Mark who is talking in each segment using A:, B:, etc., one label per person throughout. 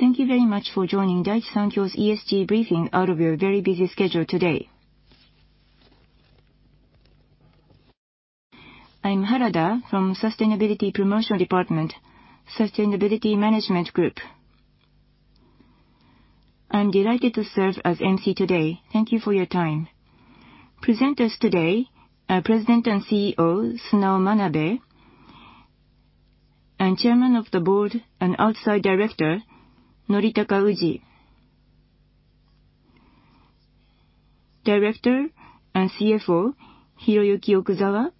A: Thank you very much for joining Daiichi Sankyo's ESG briefing out of your very busy schedule today. I'm Harada from Sustainability Promotion Department, Sustainability Management Group. I'm delighted to serve as emcee today. Thank you for your time. Presenters today are President and CEO, Sunao Manabe, and Chairman of the Board and Outside Director, Noritaka Uji. Director and CFO, Hiroyuki Okuzawa.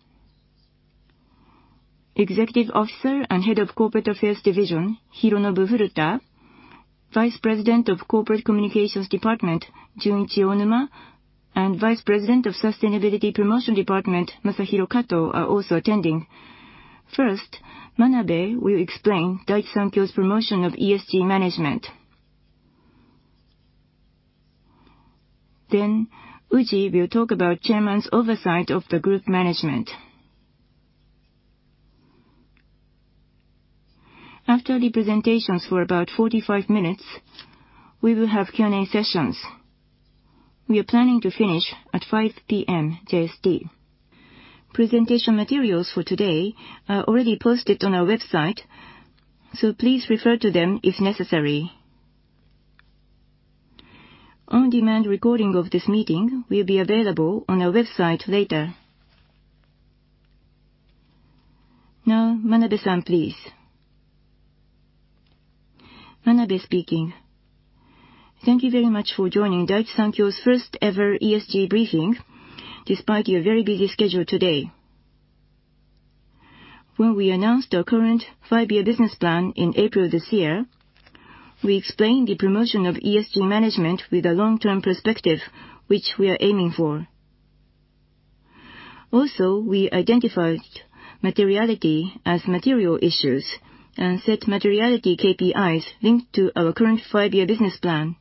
A: Executive Officer and Head of Corporate Affairs Division, Hironobu Furuta. Vice President of Corporate Communications Department, Junichi Onuma, and Vice President of Sustainability Promotion Department, Masahiro Kato, are also attending. First, Manabe will explain Daiichi Sankyo's promotion of ESG management. Then Uji will talk about Chairman's oversight of the group management. After the presentations for about 45 minutes, we will have Q&A sessions. We are planning to finish at 5:00 P.M. JST. Presentation materials for today are already posted on our website, so please refer to them if necessary. On-demand recording of this meeting will be available on our website later. Now, Manabe-san, please.
B: Manabe speaking. Thank you very much for joining Daiichi Sankyo's first ever ESG briefing, despite your very busy schedule today. When we announced our current five-year business plan in April this year, we explained the promotion of ESG management with a long-term perspective, which we are aiming for. Also, we identified materiality as material issues and set materiality KPIs linked to our current five-year business plan.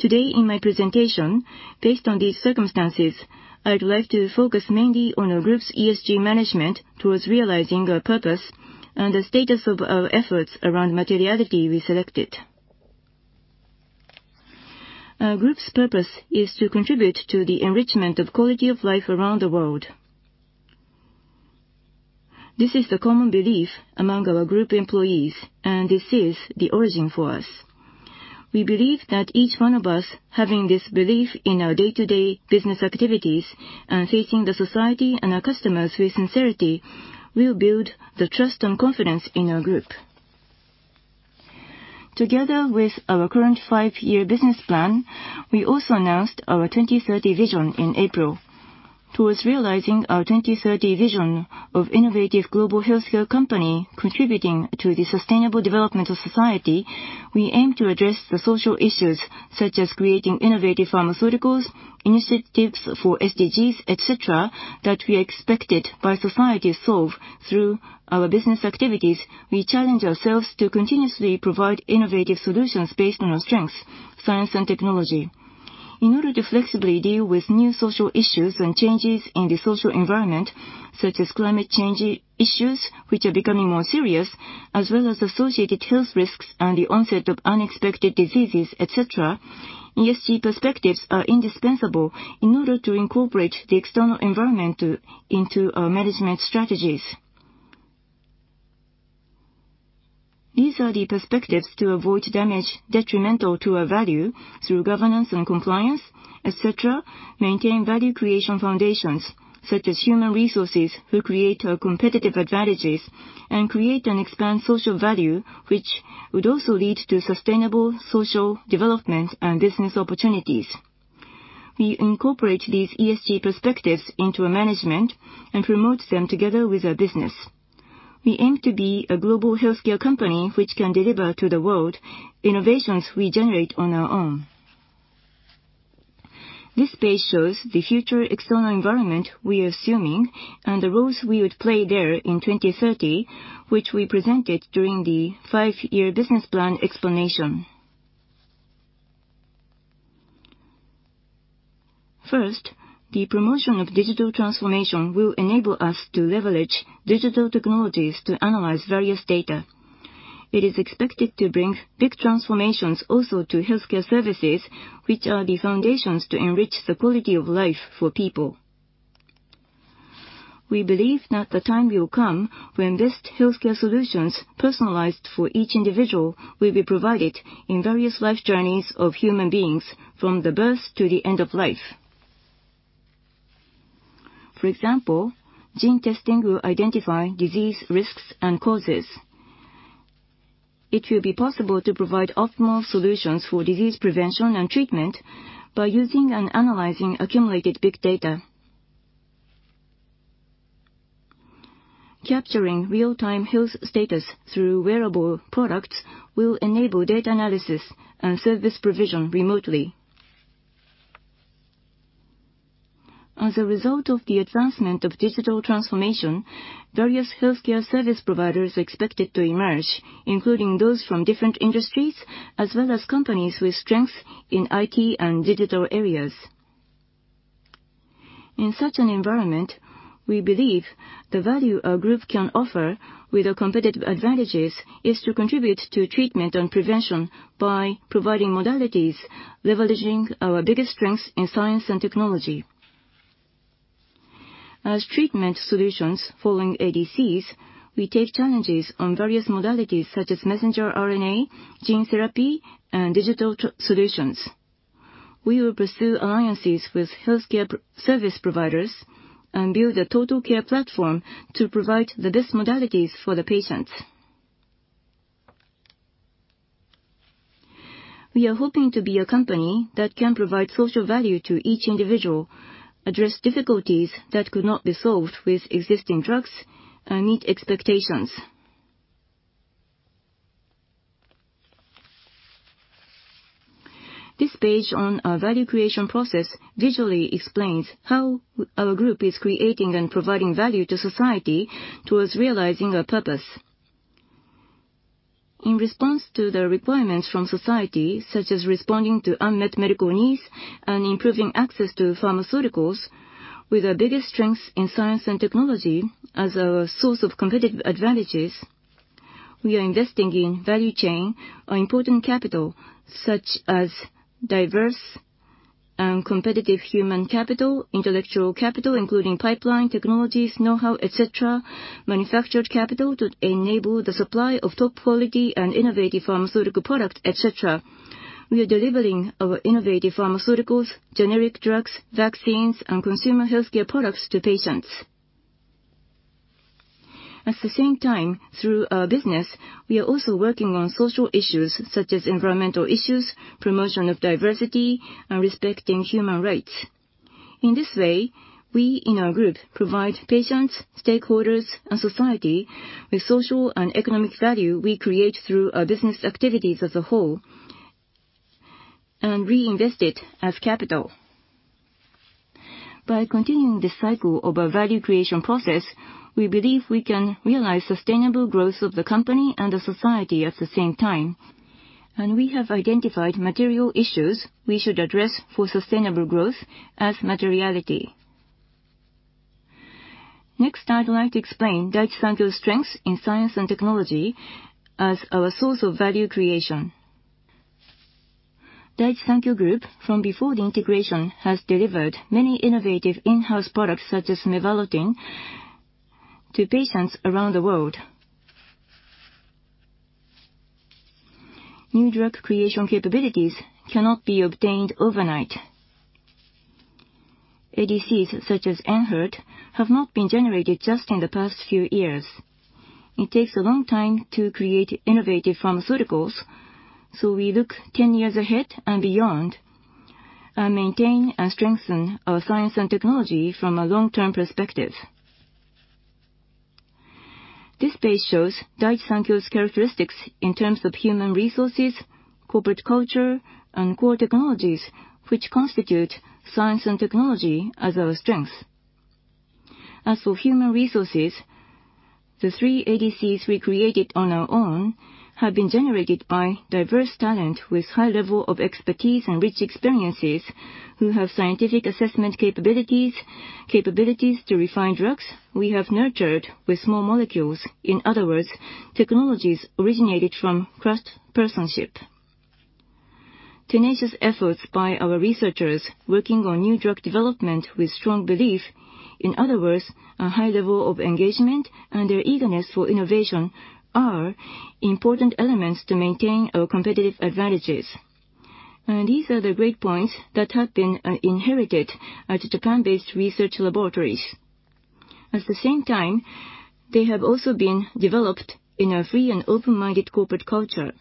B: Today in my presentation, based on these circumstances, I'd like to focus mainly on our group's ESG management towards realizing our purpose and the status of our efforts around materiality we selected. Our group's purpose is to contribute to the enrichment of quality of life around the world. This is the common belief among our group employees, and this is the origin for us. We believe that each one of us having this belief in our day-to-day business activities, and facing the society and our customers with sincerity, will build the trust and confidence in our group. Together with our current five-year business plan, we also announced our 2030 vision in April. Towards realizing our 2030 vision of innovative global healthcare company contributing to the sustainable development of society, we aim to address the social issues, such as creating innovative pharmaceuticals, initiatives for SDGs, et cetera, that we are expected by society to solve. Through our business activities, we challenge ourselves to continuously provide innovative solutions based on our strengths, science and technology. In order to flexibly deal with new social issues and changes in the social environment, such as climate change issues, which are becoming more serious, as well as associated health risks and the onset of unexpected diseases, et cetera, ESG perspectives are indispensable in order to incorporate the external environment into our management strategies. These are the perspectives to avoid damage detrimental to our value through governance and compliance, et cetera, maintain value creation foundations, such as human resources who create our competitive advantages, and create and expand social value, which would also lead to sustainable social development and business opportunities. We incorporate these ESG perspectives into our management and promote them together with our business. We aim to be a global healthcare company which can deliver to the world innovations we generate on our own. This page shows the future external environment we are assuming and the roles we would play there in 2030, which we presented during the five-year business plan explanation. First, the promotion of digital transformation will enable us to leverage digital technologies to analyze various data. It is expected to bring big transformations also to healthcare services, which are the foundations to enrich the quality of life for people. We believe that the time will come when best healthcare solutions personalized for each individual will be provided in various life journeys of human beings from the birth to the end of life. For example, gene testing will identify disease risks and causes. It will be possible to provide optimal solutions for disease prevention and treatment by using and analyzing accumulated big data. Capturing real-time health status through wearable products will enable data analysis and service provision remotely. As a result of the advancement of digital transformation, various healthcare service providers are expected to emerge, including those from different industries, as well as companies with strength in IT and digital areas. In such an environment, we believe the value our group can offer with our competitive advantages is to contribute to treatment and prevention by providing modalities, leveraging our biggest strengths in science and technology. As treatment solutions following ADCs, we take challenges on various modalities such as messenger RNA, gene therapy, and digital solutions. We will pursue alliances with healthcare service providers and build a total care platform to provide the best modalities for the patients. We are hoping to be a company that can provide social value to each individual, address difficulties that could not be solved with existing drugs, and meet expectations. This page on our value creation process visually explains how our group is creating and providing value to society towards realizing our purpose. In response to the requirements from society, such as responding to unmet medical needs and improving access to pharmaceuticals with our biggest strengths in science and technology as our source of competitive advantages, we are investing in value chain, our important capital, such as diverse and competitive human capital, intellectual capital, including pipeline technologies, know-how, et cetera, manufactured capital to enable the supply of top quality and innovative pharmaceutical products, et cetera. We are delivering our innovative pharmaceuticals, generic drugs, vaccines, and consumer healthcare products to patients. At the same time, through our business, we are also working on social issues such as environmental issues, promotion of diversity, and respecting human rights. In this way, we in our group provide patients, stakeholders, and society with social and economic value we create through our business activities as a whole and reinvest it as capital. By continuing this cycle of our value creation process, we believe we can realize sustainable growth of the company and the society at the same time, and we have identified material issues we should address for sustainable growth as materiality. Next, I'd like to explain Daiichi Sankyo's strengths in science and technology as our source of value creation. Daiichi Sankyo Group, from before the integration, has delivered many innovative in-house products, such as Mevalotin, to patients around the world. New drug creation capabilities cannot be obtained overnight. ADCs such as ENHERTU have not been generated just in the past few years. It takes a long time to create innovative pharmaceuticals, so we look 10 years ahead and beyond and maintain and strengthen our science and technology from a long-term perspective. This page shows Daiichi Sankyo's characteristics in terms of human resources, corporate culture, and core technologies, which constitute science and technology as our strengths. As for human resources, the three ADCs we created on our own have been generated by diverse talent with high level of expertise and rich experiences who have scientific assessment capabilities to refine drugs we have nurtured with small molecules. In other words, technologies originated from craftsmanship. Tenacious efforts by our researchers working on new drug development with strong belief. In other words, a high level of engagement and their eagerness for innovation are important elements to maintain our competitive advantages. These are the great points that have been inherited at Japan-based research laboratories. At the same time, they have also been developed in our free and open-minded corporate culture.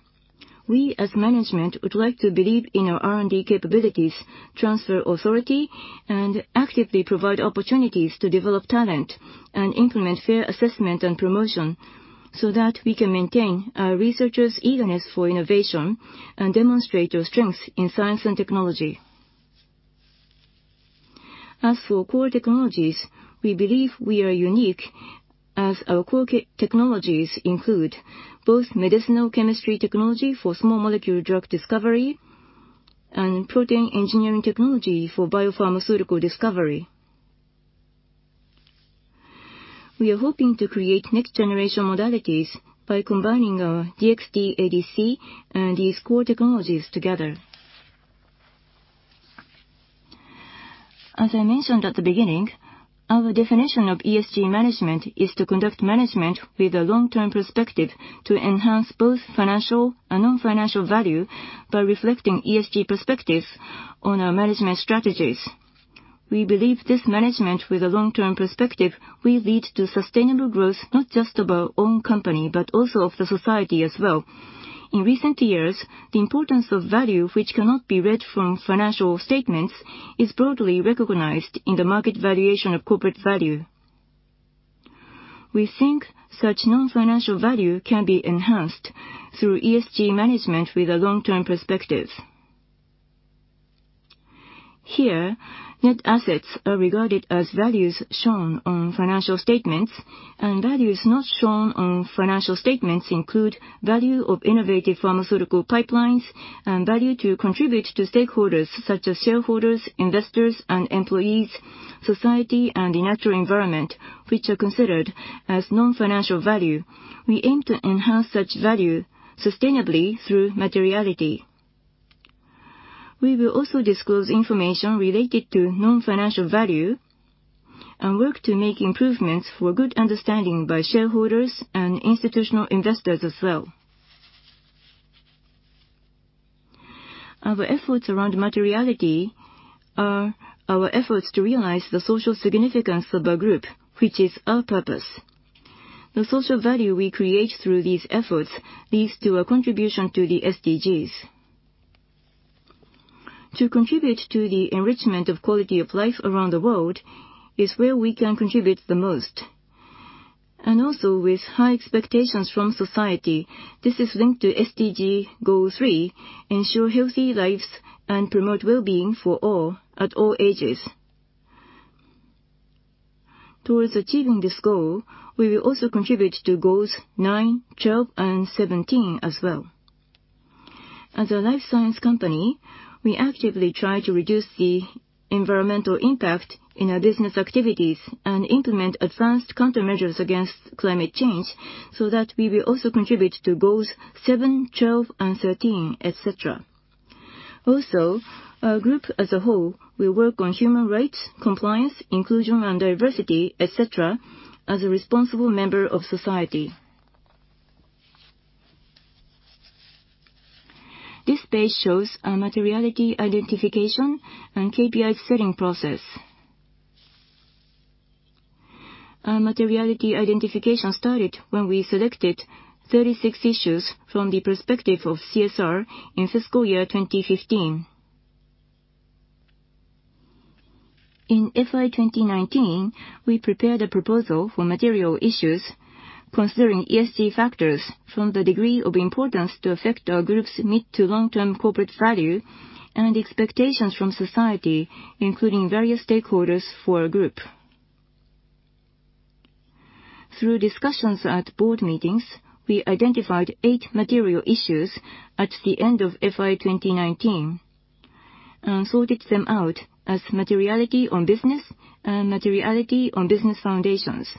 B: We, as management, would like to believe in our R&D capabilities, transfer authority, and actively provide opportunities to develop talent and implement fair assessment and promotion so that we can maintain our researchers' eagerness for innovation and demonstrate our strength in science and technology. As for core technologies, we believe we are unique as our core technologies include both medicinal chemistry technology for small molecule drug discovery and protein engineering technology for biopharmaceutical discovery. We are hoping to create next-generation modalities by combining our DXd ADC and these core technologies together. As I mentioned at the beginning, our definition of ESG management is to conduct management with a long-term perspective to enhance both financial and non-financial value by reflecting ESG perspectives on our management strategies. We believe this management with a long-term perspective will lead to sustainable growth, not just of our own company, but also of the society as well. In recent years, the importance of value which cannot be read from financial statements is broadly recognized in the market valuation of corporate value. We think such non-financial value can be enhanced through ESG management with a long-term perspective. Here, net assets are regarded as values shown on financial statements, and values not shown on financial statements include value of innovative pharmaceutical pipelines and value to contribute to stakeholders such as shareholders, investors, and employees, society, and the natural environment, which are considered as non-financial value. We aim to enhance such value sustainably through materiality. We will also disclose information related to non-financial value and work to make improvements for good understanding by shareholders and institutional investors as well. Our efforts around materiality are our efforts to realize the social significance of our group, which is our purpose. The social value we create through these efforts leads to a contribution to the SDGs. To contribute to the enrichment of quality of life around the world is where we can contribute the most. With high expectations from society, this is linked to SDG Goal three, ensure healthy lives and promote well-being for all at all ages. Towards achieving this goal, we will also contribute to goals nine, 12, and 17 as well. As a life science company, we actively try to reduce the environmental impact in our business activities and implement advanced countermeasures against climate change so that we will also contribute to goals seven, 12, and 13, etc. Also, our group as a whole will work on human rights, compliance, inclusion, and diversity, etc., as a responsible member of society. This page shows our materiality identification and KPI setting process. Our materiality identification started when we selected 36 issues from the perspective of CSR in fiscal year 2015. In FY 2019, we prepared a proposal for material issues considering ESG factors from the degree of importance to affect our group's mid to long-term corporate value and expectations from society, including various stakeholders for our group. Through discussions at board meetings, we identified eight material issues at the end of FY 2019 and sorted them out as materiality on business and materiality on business foundations.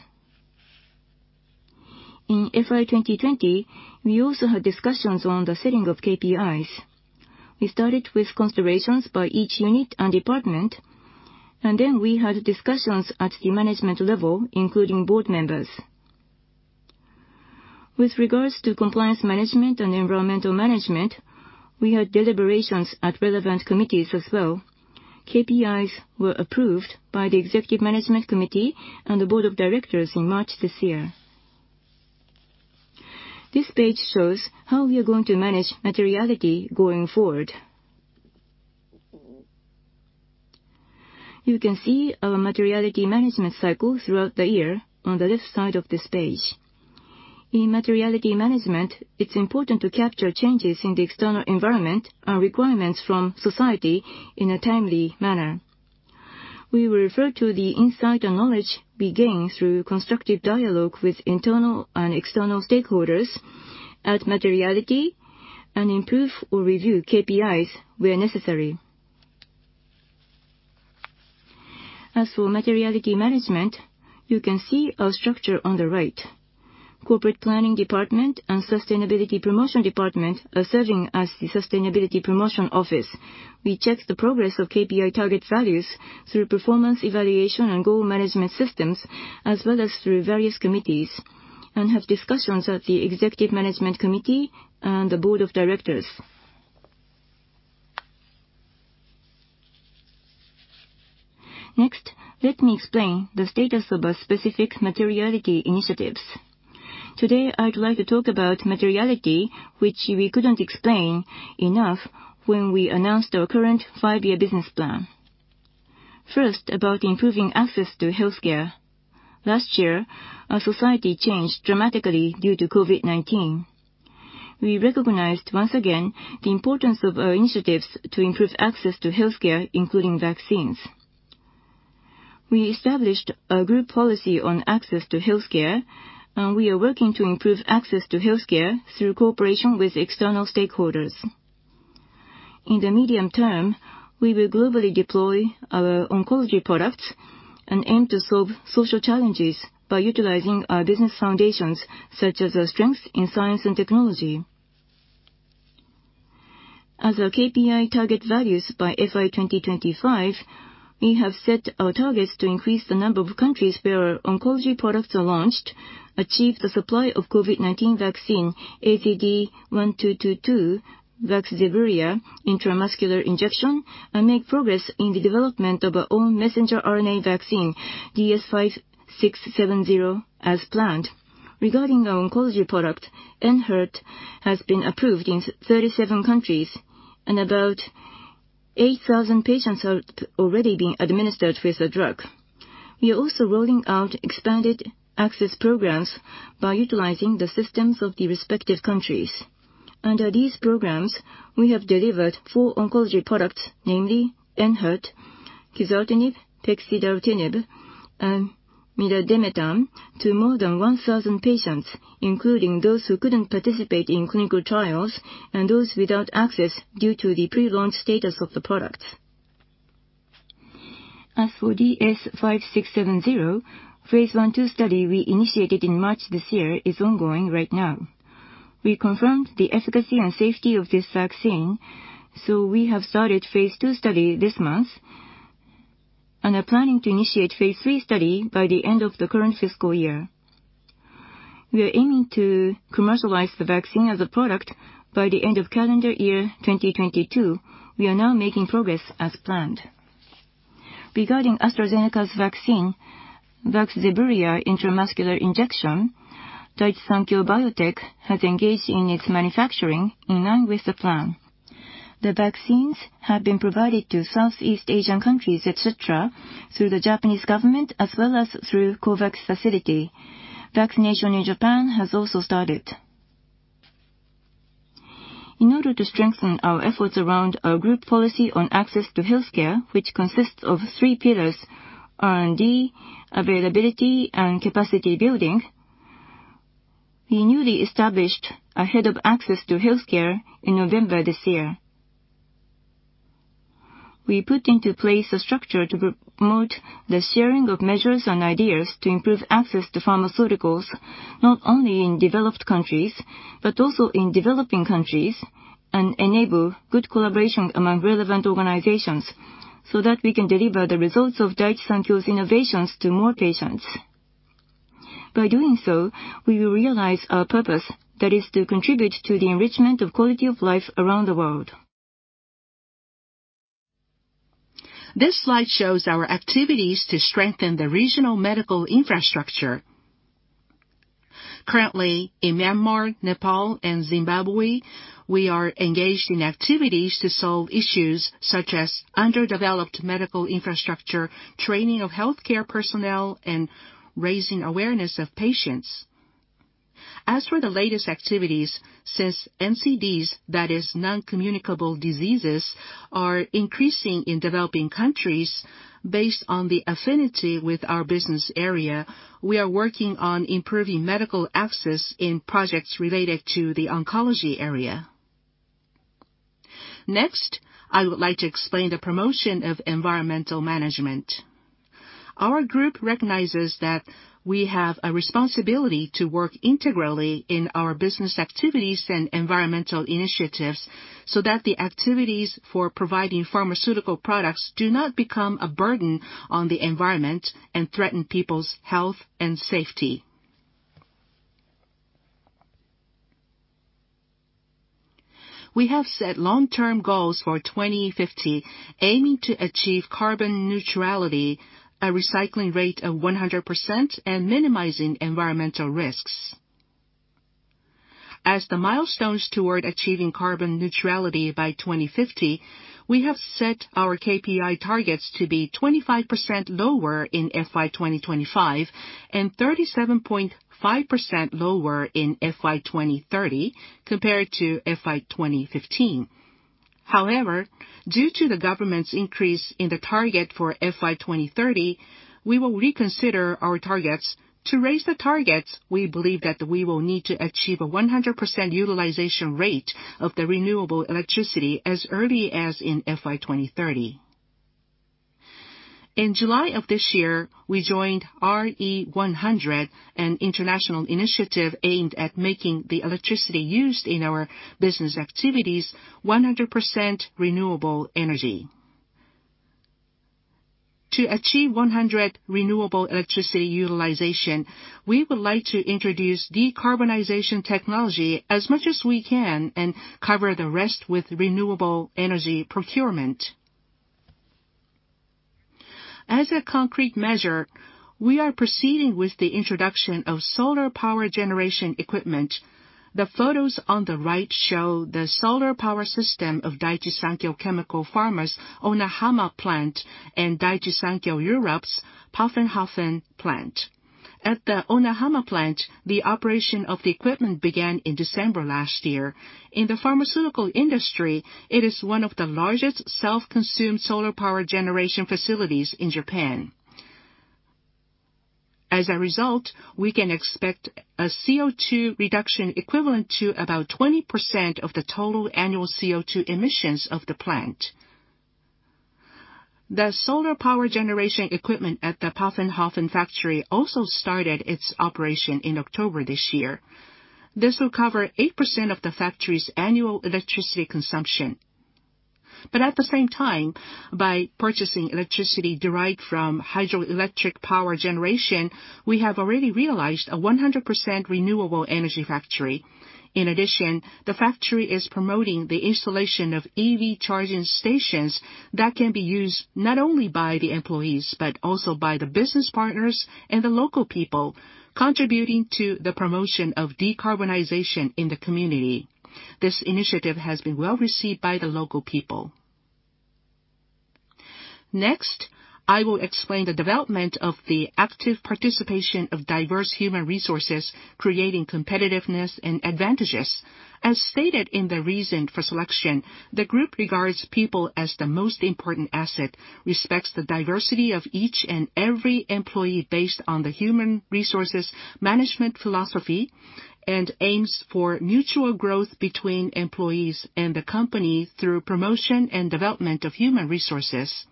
B: In FY 2020, we also had discussions on the setting of KPIs. We started with considerations by each unit and department, and then we had discussions at the management level, including board members. With regards to compliance management and environmental management, we had deliberations at relevant committees as well. KPIs were approved by the executive management committee and the board of directors in March this year. This page shows how we are going to manage materiality going forward. You can see our materiality management cycle throughout the year on the left side of this page. In materiality management, it's important to capture changes in the external environment and requirements from society in a timely manner. We will refer to the insight and knowledge we gain through constructive dialogue with internal and external stakeholders at materiality and improve or review KPIs where necessary. As for materiality management, you can see our structure on the right. Corporate Planning Department and Sustainability Promotion Department are serving as the Sustainability Promotion Office. We check the progress of KPI target values through performance evaluation and goal management systems, as well as through various committees, and have discussions at the Executive Management Committee and the Board of Directors. Next, let me explain the status of our specific materiality initiatives. Today, I'd like to talk about materiality, which we couldn't explain enough when we announced our current five-year business plan. First, about improving access to healthcare. Last year, our society changed dramatically due to COVID-19. We recognized once again the importance of our initiatives to improve access to healthcare, including vaccines. We established a group policy on access to healthcare, and we are working to improve access to healthcare through cooperation with external stakeholders. In the medium term, we will globally deploy our oncology products and aim to solve social challenges by utilizing our business foundations, such as our strength in science and technology. As our KPI target values by FY 2025, we have set our targets to increase the number of countries where our oncology products are launched, achieve the supply of COVID-19 vaccine AZD1222, Vaxzevria, intramuscular injection, and make progress in the development of our own messenger RNA vaccine, DS-5670, as planned. Regarding our oncology product, ENHERTU has been approved in 37 countries and about 8,000 patients have already been administered with the drug. We are also rolling out expanded access programs by utilizing the systems of the respective countries. Under these programs, we have delivered four oncology products, namely ENHERTU, Quizartinib, Pexidartinib, and Midostaurin to more than 1,000 patients, including those who couldn't participate in clinical trials and those without access due to the pre-launch status of the product. As for DS-5670, phase I/II study we initiated in March this year is ongoing right now. We confirmed the efficacy and safety of this vaccine, so we have started phase II study this month and are planning to initiate phase III study by the end of the current fiscal year. We are aiming to commercialize the vaccine as a product by the end of calendar year 2022. We are now making progress as planned. Regarding AstraZeneca's vaccine, Vaxzevria intramuscular injection, Daiichi Sankyo Biotech has engaged in its manufacturing in line with the plan. The vaccines have been provided to Southeast Asian countries, et cetera, through the Japanese government as well as through COVAX Facility. Vaccination in Japan has also started. In order to strengthen our efforts around our group policy on access to healthcare, which consists of three pillars, R&D, availability, and capacity building, we newly established a head of access to healthcare in November this year. We put into place a structure to promote the sharing of measures and ideas to improve access to pharmaceuticals, not only in developed countries, but also in developing countries, and enable good collaboration among relevant organizations so that we can deliver the results of Daiichi Sankyo's innovations to more patients. By doing so, we will realize our purpose, that is to contribute to the enrichment of quality of life around the world. This slide shows our activities to strengthen the regional medical infrastructure. Currently, in Myanmar, Nepal, and Zimbabwe, we are engaged in activities to solve issues such as underdeveloped medical infrastructure, training of healthcare personnel, and raising awareness of patients. As for the latest activities, since NCDs, that is non-communicable diseases, are increasing in developing countries based on the affinity with our business area, we are working on improving medical access in projects related to the oncology area. Next, I would like to explain the promotion of environmental management. Our group recognizes that we have a responsibility to work integrally in our business activities and environmental initiatives so that the activities for providing pharmaceutical products do not become a burden on the environment and threaten people's health and safety. We have set long-term goals for 2050, aiming to achieve carbon neutrality, a recycling rate of 100%, and minimizing environmental risks. As the milestones toward achieving carbon neutrality by 2050, we have set our KPI targets to be 25% lower in FY 2025 and 37.5% lower in FY 2030 compared to FY 2015. However, due to the government's increase in the target for FY 2030, we will reconsider our targets. To raise the targets, we believe that we will need to achieve a 100% utilization rate of the renewable electricity as early as in FY 2030. In July of this year, we joined RE100, an international initiative aimed at making the electricity used in our business activities 100% renewable energy. To achieve 100 renewable electricity utilization, we would like to introduce decarbonization technology as much as we can and cover the rest with renewable energy procurement. As a concrete measure, we are proceeding with the introduction of solar power generation equipment. The photos on the right show the solar power system of Daiichi Sankyo Chemical Pharma's Onahama plant and Daiichi Sankyo Europe's, Pfaffenhofen plant. At the Onahama plant, the operation of the equipment began in December last year. In the pharmaceutical industry, it is one of the largest self-consumed solar power generation facilities in Japan. As a result, we can expect a CO2 reduction equivalent to about 20% of the total annual CO2 emissions of the plant. The solar power generation equipment at the Pfaffenhofen factory also started its operation in October this year. This will cover 8% of the factory's annual electricity consumption. At the same time, by purchasing electricity derived from hydroelectric power generation, we have already realized a 100% renewable energy factory. In addition, the factory is promoting the installation of EV charging stations that can be used not only by the employees, but also by the business partners and the local people, contributing to the promotion of decarbonization in the community. This initiative has been well-received by the local people. Next, I will explain the development of the active participation of diverse human resources, creating competitiveness and advantages. As stated in the reason for selection, the group regards people as the most important asset, respects the diversity of each and every employee based on the human resources management philosophy, and aims for mutual growth between employees and the company through promotion and development of human resources.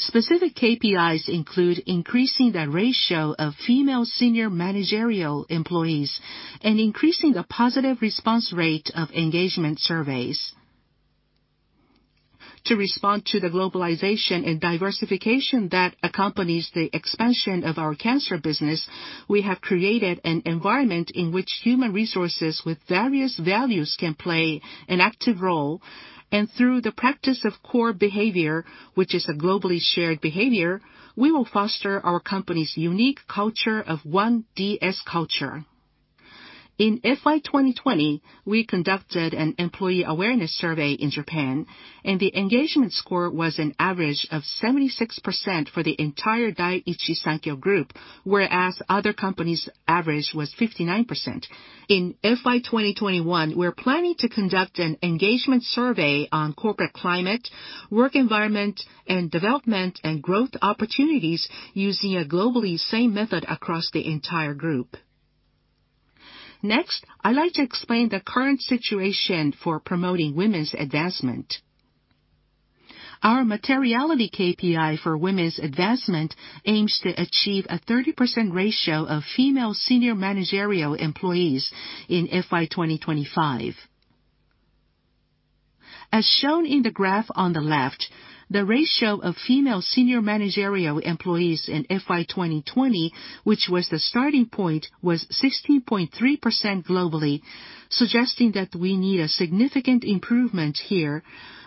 B: Specific KPIs include increasing the ratio of female senior managerial employees and increasing the positive response rate of engagement surveys. To respond to the globalization and diversification that accompanies the expansion of our cancer business, we have created an environment in which human resources with various values can play an active role. Through the practice of core behavior, which is a globally shared behavior, we will foster our company's unique culture of One DS Culture. In FY 2020, we conducted an employee awareness survey in Japan, and the engagement score was an average of 76% for the entire Daiichi Sankyo group, whereas other companies' average was 59%. In FY 2021, we're planning to conduct an engagement survey on corporate climate, work environment, and development and growth opportunities using a globally same method across the entire group. Next, I'd like to explain the current situation for promoting women's advancement. Our materiality KPI for women's advancement aims to achieve a 30% ratio of female senior managerial employees in FY 2025. As shown in the graph on the left, the ratio of female senior managerial employees in FY 2020, which was the starting point, was 16.3% globally, suggesting that we need a significant improvement here.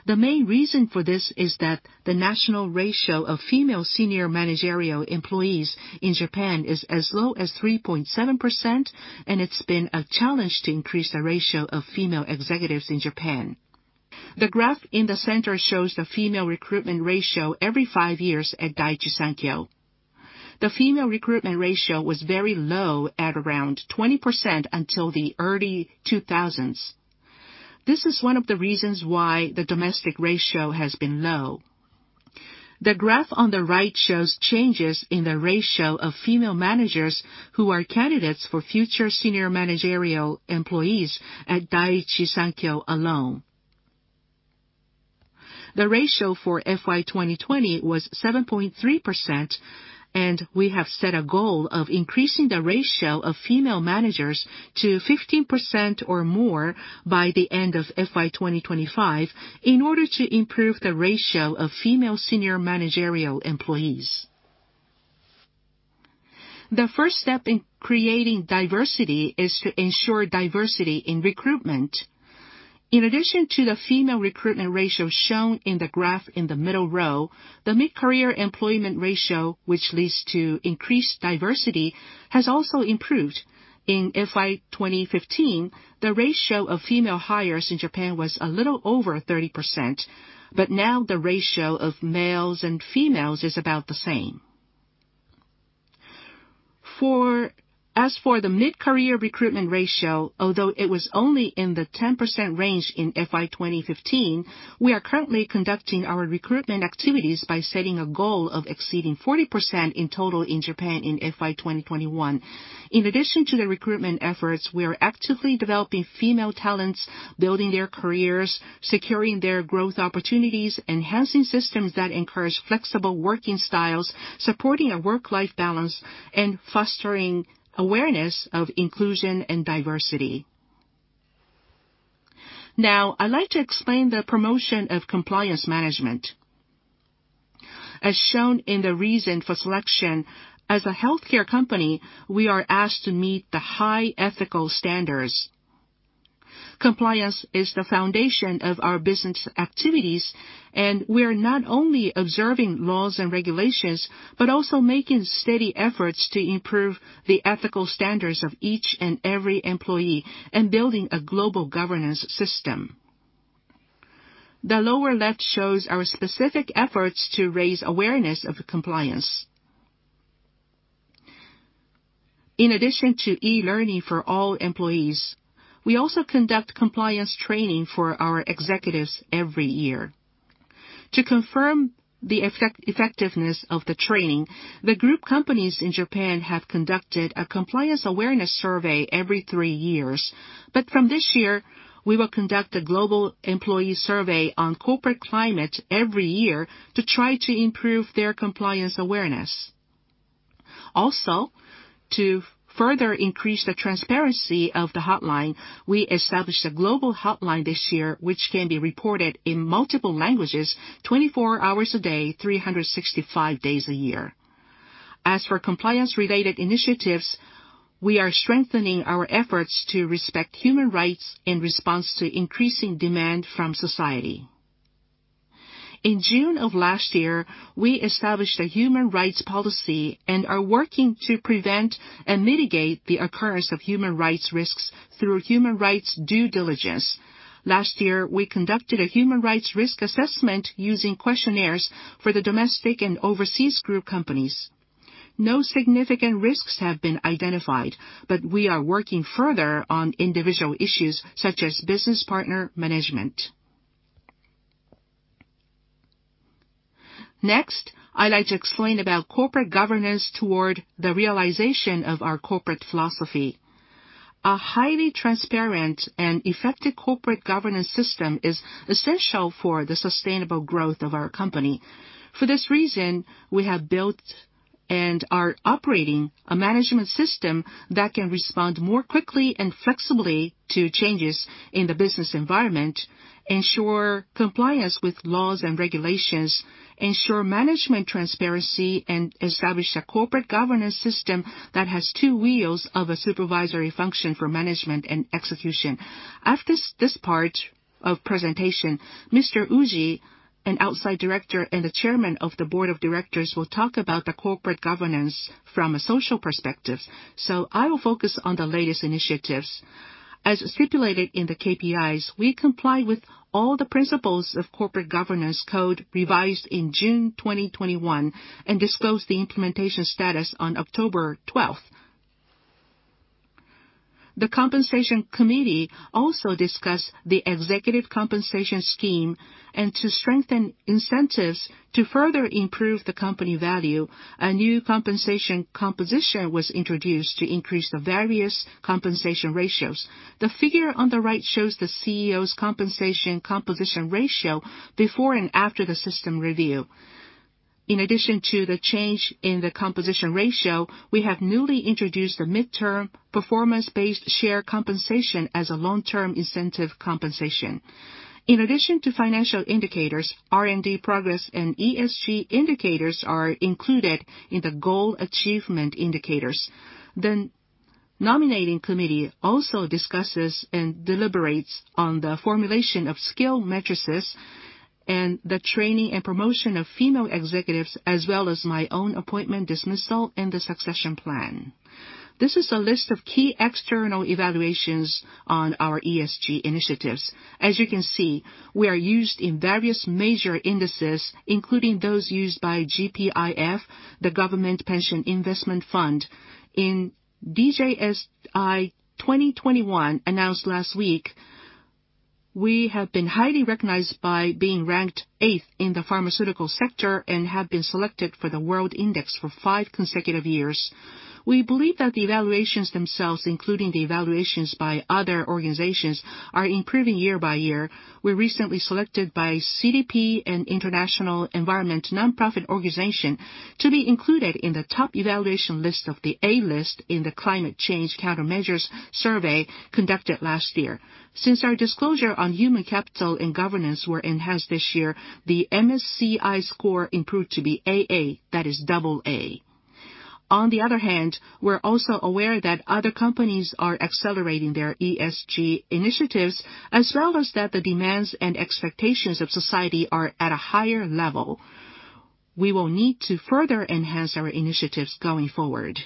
B: The main reason for this is that the national ratio of female senior managerial employees in Japan is as low as 3.7%, and it's been a challenge to increase the ratio of female executives in Japan. The graph in the center shows the female recruitment ratio every five years at Daiichi Sankyo. The female recruitment ratio was very low at around 20% until the early 2000s. This is one of the reasons why the domestic ratio has been low. The graph on the right shows changes in the ratio of female managers who are candidates for future senior managerial employees at Daiichi Sankyo alone. The ratio for FY 2020 was 7.3%, and we have set a goal of increasing the ratio of female managers to 15% or more by the end of FY 2025 in order to improve the ratio of female senior managerial employees. The first step in creating diversity is to ensure diversity in recruitment. In addition to the female recruitment ratio shown in the graph in the middle row, the mid-career employment ratio, which leads to increased diversity, has also improved. In FY 2015, the ratio of female hires in Japan was a little over 30%, but now the ratio of males and females is about the same. As for the mid-career recruitment ratio, although it was only in the 10% range in FY 2015, we are currently conducting our recruitment activities by setting a goal of exceeding 40% in total in Japan in FY 2021. In addition to the recruitment efforts, we are actively developing female talents, building their careers, securing their growth opportunities, enhancing systems that encourage flexible working styles, supporting a work-life balance, and fostering awareness of inclusion and diversity. Now, I'd like to explain the promotion of compliance management. As shown in the reason for selection, as a healthcare company, we are asked to meet the high ethical standards. Compliance is the foundation of our business activities, and we are not only observing laws and regulations, but also making steady efforts to improve the ethical standards of each and every employee and building a global governance system. The lower left shows our specific efforts to raise awareness of compliance. In addition to e-learning for all employees, we also conduct compliance training for our executives every year. To confirm the effectiveness of the training, the group companies in Japan have conducted a compliance awareness survey every three years. From this year, we will conduct a global employee survey on corporate climate every year to try to improve their compliance awareness. To further increase the transparency of the hotline, we established a global hotline this year, which can be reported in multiple languages 24 hours a day, 365 days a year. As for compliance-related initiatives, we are strengthening our efforts to respect human rights in response to increasing demand from society. In June of last year, we established a human rights policy and are working to prevent and mitigate the occurrence of human rights risks through human rights due diligence. Last year, we conducted a human rights risk assessment using questionnaires for the domestic and overseas group companies. No significant risks have been identified, but we are working further on individual issues such as business partner management. Next, I'd like to explain about corporate governance toward the realization of our corporate philosophy. A highly transparent and effective corporate governance system is essential for the sustainable growth of our company. For this reason, we have built and are operating a management system that can respond more quickly and flexibly to changes in the business environment, ensure compliance with laws and regulations, ensure management transparency, and establish a corporate governance system that has two wheels of a supervisory function for management and execution. After this part of presentation, Mr. Uji, an outside director and the chairman of the board of directors, will talk about the corporate governance from a social perspective. I will focus on the latest initiatives. As stipulated in the KPIs, we comply with all the principles of Corporate Governance Code revised in June 2021, and disclose the implementation status on October 12th. The compensation committee also discussed the executive compensation scheme, and to strengthen incentives to further improve the company value, a new compensation composition was introduced to increase the various compensation ratios. The figure on the right shows the CEO's compensation composition ratio before and after the system review. In addition to the change in the composition ratio, we have newly introduced the midterm performance-based share compensation as a long-term incentive compensation. In addition to financial indicators, R&D progress and ESG indicators are included in the goal achievement indicators. The nominating committee also discusses and deliberates on the formulation of skill matrices and the training and promotion of female executives, as well as my own appointment dismissal and the succession plan. This is a list of key external evaluations on our ESG initiatives. As you can see, we are used in various major indices, including those used by GPIF, the Government Pension Investment Fund. In DJSI 2021, announced last week, we have been highly recognized by being ranked eighth in the pharmaceutical sector and have been selected for the world index for five consecutive years. We believe that the evaluations themselves, including the evaluations by other organizations, are improving year by year. We're recently selected by CDP, an international environment non-profit organization, to be included in the top evaluation list of the A list in the Climate Change Countermeasures Survey conducted last year. Since our disclosure on human capital and governance were enhanced this year, the MSCI score improved to be AA. That is double A. On the other hand, we're also aware that other companies are accelerating their ESG initiatives, as well as that the demands and expectations of society are at a higher level. We will need to further enhance our initiatives going forward.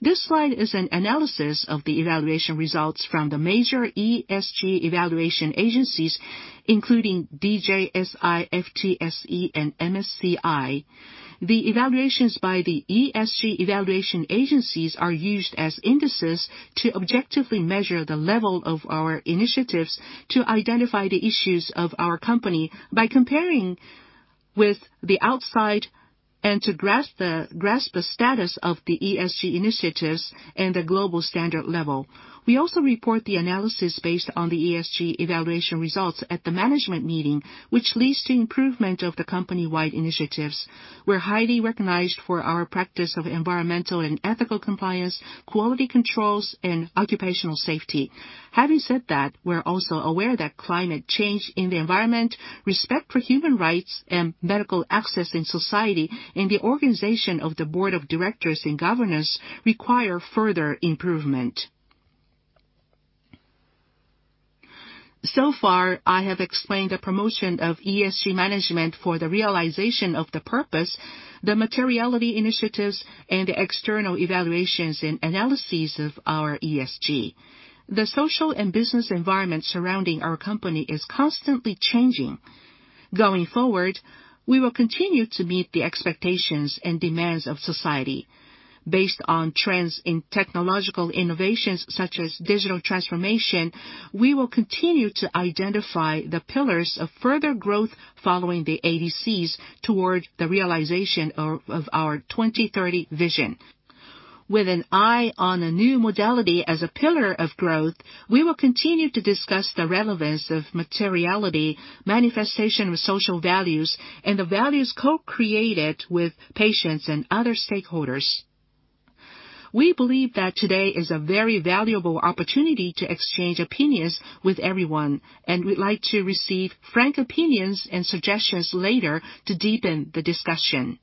B: This slide is an analysis of the evaluation results from the major ESG evaluation agencies, including DJSI, FTSE, and MSCI. The evaluations by the ESG evaluation agencies are used as indices to objectively measure the level of our initiatives to identify the issues of our company by comparing with the outside and to grasp the status of the ESG initiatives and the global standard level. We also report the analysis based on the ESG evaluation results at the management meeting, which leads to improvement of the company-wide initiatives. We're highly recognized for our practice of environmental and ethical compliance, quality controls, and occupational safety. Having said that, we're also aware that climate change in the environment, respect for human rights, and medical access in society and the organization of the board of directors and governors require further improvement. So far, I have explained the promotion of ESG management for the realization of the purpose, the materiality initiatives, and the external evaluations and analyses of our ESG. The social and business environment surrounding our company is constantly changing. Going forward, we will continue to meet the expectations and demands of society. Based on trends in technological innovations such as digital transformation, we will continue to identify the pillars of further growth following the ADCs toward the realization of our 2030 vision. With an eye on a new modality as a pillar of growth, we will continue to discuss the relevance of materiality, manifestation of social values, and the values co-created with patients and other stakeholders. We believe that today is a very valuable opportunity to exchange opinions with everyone, and we'd like to receive frank opinions and suggestions later to deepen the discussion.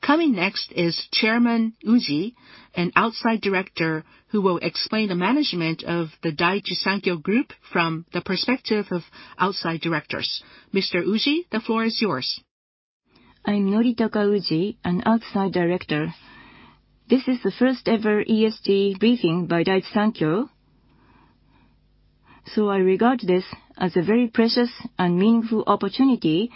B: Coming next is Chairman Uji, an Outside Director, who will explain the management of the Daiichi Sankyo group from the perspective of outside directors. Mr. Uji, the floor is yours.
C: I'm Noritaka Uji, an outside director. This is the first ever ESG briefing by Daiichi Sankyo. I regard this as a very precious and meaningful opportunity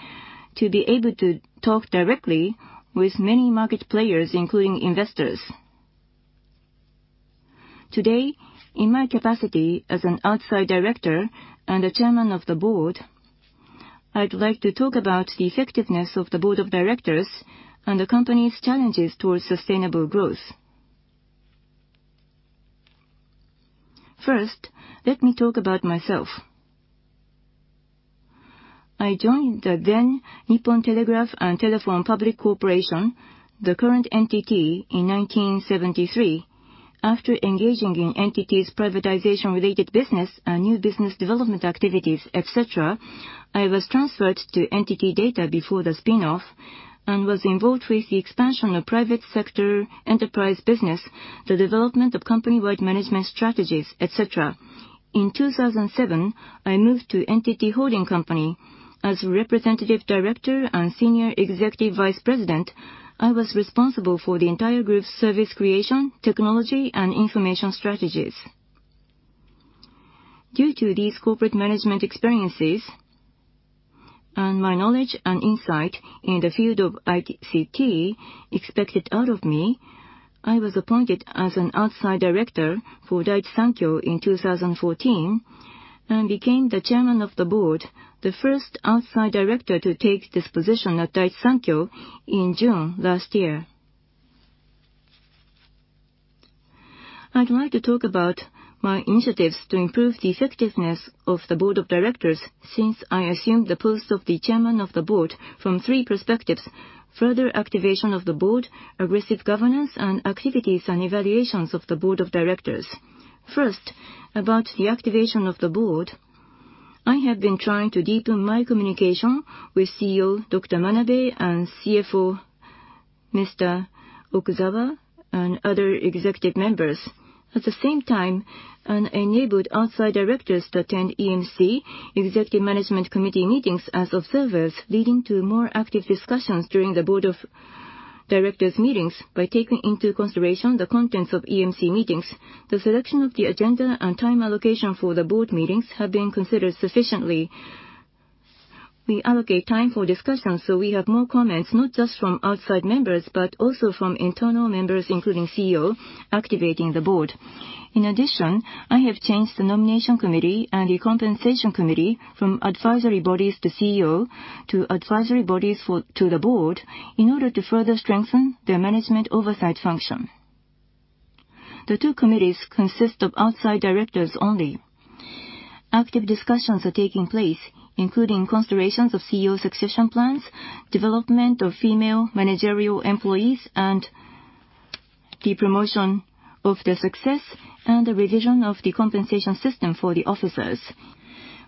C: to be able to talk directly with many market players, including investors. Today, in my capacity as an outside director and a chairman of the board, I'd like to talk about the effectiveness of the board of directors and the company's challenges towards sustainable growth. First, let me talk about myself. I joined the then Nippon Telegraph and Telephone Public Corporation, the current NTT, in 1973. After engaging in NTT's privatization-related business and new business development activities, et cetera, I was transferred to NTT Data before the spin-off and was involved with the expansion of private sector enterprise business, the development of company-wide management strategies, et cetera. In 2007, I moved to NTT Holding Company. As representative director and senior executive vice president, I was responsible for the entire group's service creation, technology, and information strategies. Due to these corporate management experiences and my knowledge and insight in the field of ICT expected out of me, I was appointed as an outside director for Daiichi Sankyo in 2014, and became the chairman of the board, the first outside director to take this position at Daiichi Sankyo in June last year. I'd like to talk about my initiatives to improve the effectiveness of the board of directors since I assumed the post of the chairman of the board from three perspectives, further activation of the board, aggressive governance, and activities and evaluations of the board of directors. First, about the activation of the board, I have been trying to deepen my communication with CEO Dr. Manabe and CFO Mr. Okuzawa, and other executive members. At the same time, I enabled outside directors to attend EMC, executive management committee meetings as observers, leading to more active discussions during the board of directors meetings. By taking into consideration the contents of EMC meetings, the selection of the agenda and time allocation for the board meetings have been considered sufficiently. We allocate time for discussions, so we have more comments, not just from outside members, but also from internal members, including CEO, activating the board. In addition, I have changed the nomination committee and the compensation committee from advisory bodies to CEO to advisory bodies to the board in order to further strengthen their management oversight function. The two committees consist of outside directors only. Active discussions are taking place, including considerations of CEO succession plans, development of female managerial employees, and the promotion of the success and the revision of the compensation system for the officers.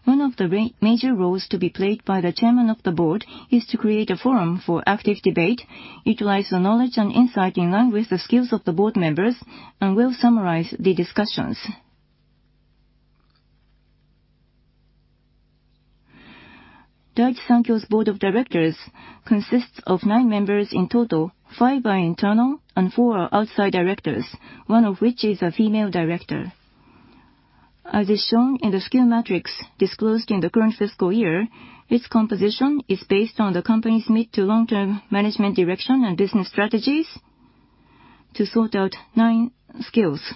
C: One of the major roles to be played by the chairman of the board is to create a forum for active debate, utilize the knowledge and insight in line with the skills of the board members, and will summarize the discussions. Daiichi Sankyo's board of directors consists of nine members in total. Five are internal and four are outside directors, one of which is a female director. As is shown in the skill matrix disclosed in the current fiscal year, its composition is based on the company's mid- to long-term management direction and business strategies to sort out nine skills.